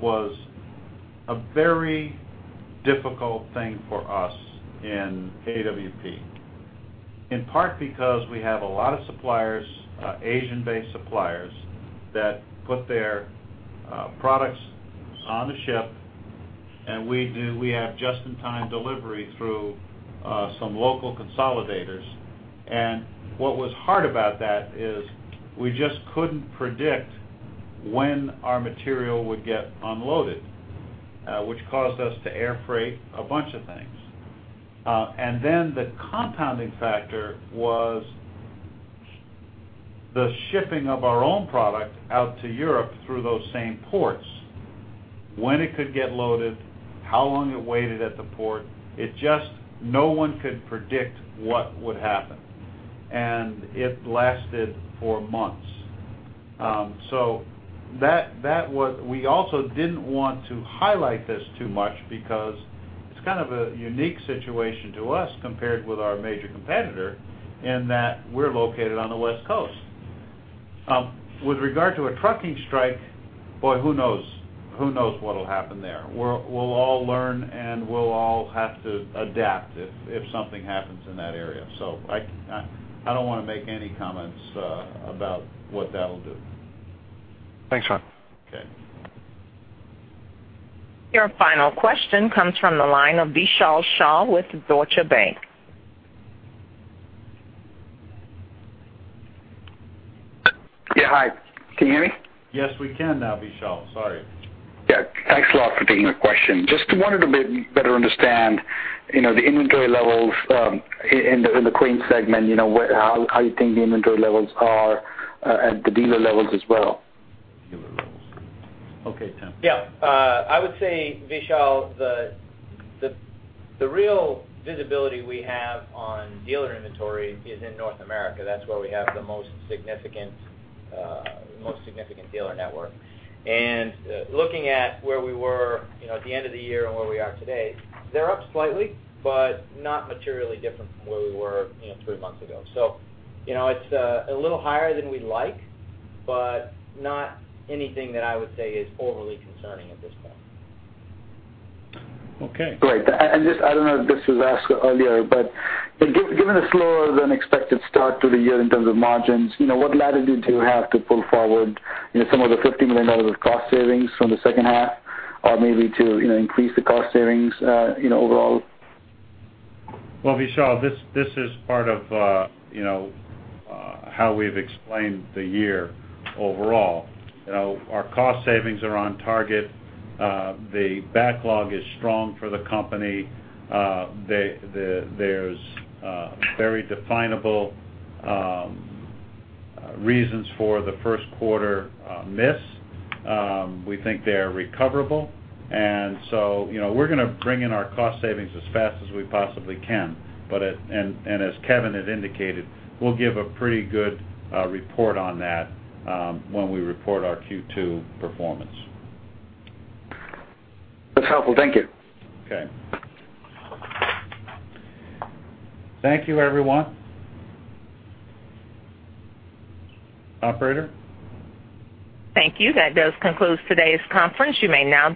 was a very difficult thing for us in AWP, in part because we have a lot of suppliers, Asian-based suppliers, that put their products on the ship, and we have just-in-time delivery through some local consolidators. What was hard about that is we just couldn't predict when our material would get unloaded, which caused us to air freight a bunch of things. Then the compounding factor was the shipping of our own product out to Europe through those same ports. When it could get loaded, how long it waited at the port, just no one could predict what would happen, and it lasted for months. We also didn't want to highlight this too much because it's kind of a unique situation to us compared with our major competitor in that we're located on the West Coast. With regard to a trucking strike, boy, who knows what'll happen there. We'll all learn, and we'll all have to adapt if something happens in that area. I don't want to make any comments about what that'll do. Thanks, Rob. Okay. Your final question comes from the line of Vishal Shah with Deutsche Bank. Yeah. Hi, can you hear me? Yes, we can now, Vishal. Sorry. Yeah. Thanks a lot for taking the question. Just wanted to better understand the inventory levels in the cranes segment, how you think the inventory levels are at the dealer levels as well. Dealer levels. Okay, Tim. Yeah. I would say, Vishal, the real visibility we have on dealer inventory is in North America. That's where we have the most significant dealer network. Looking at where we were at the end of the year and where we are today, they're up slightly, but not materially different from where we were three months ago. It's a little higher than we'd like, but not anything that I would say is overly concerning at this point. Okay, great. I don't know if this was asked earlier, but given the slower than expected start to the year in terms of margins, what latitude do you have to pull forward some of the $50 million of cost savings from the second half or maybe to increase the cost savings overall? Well, Vishal, this is part of how we've explained the year overall. Our cost savings are on target. The backlog is strong for the company. There's very definable reasons for the first quarter miss. We think they are recoverable, so we're going to bring in our cost savings as fast as we possibly can. As Kevin had indicated, we'll give a pretty good report on that when we report our Q2 performance. That's helpful. Thank you. Okay. Thank you, everyone. Operator? Thank you. That does conclude today's conference. You may now disconnect.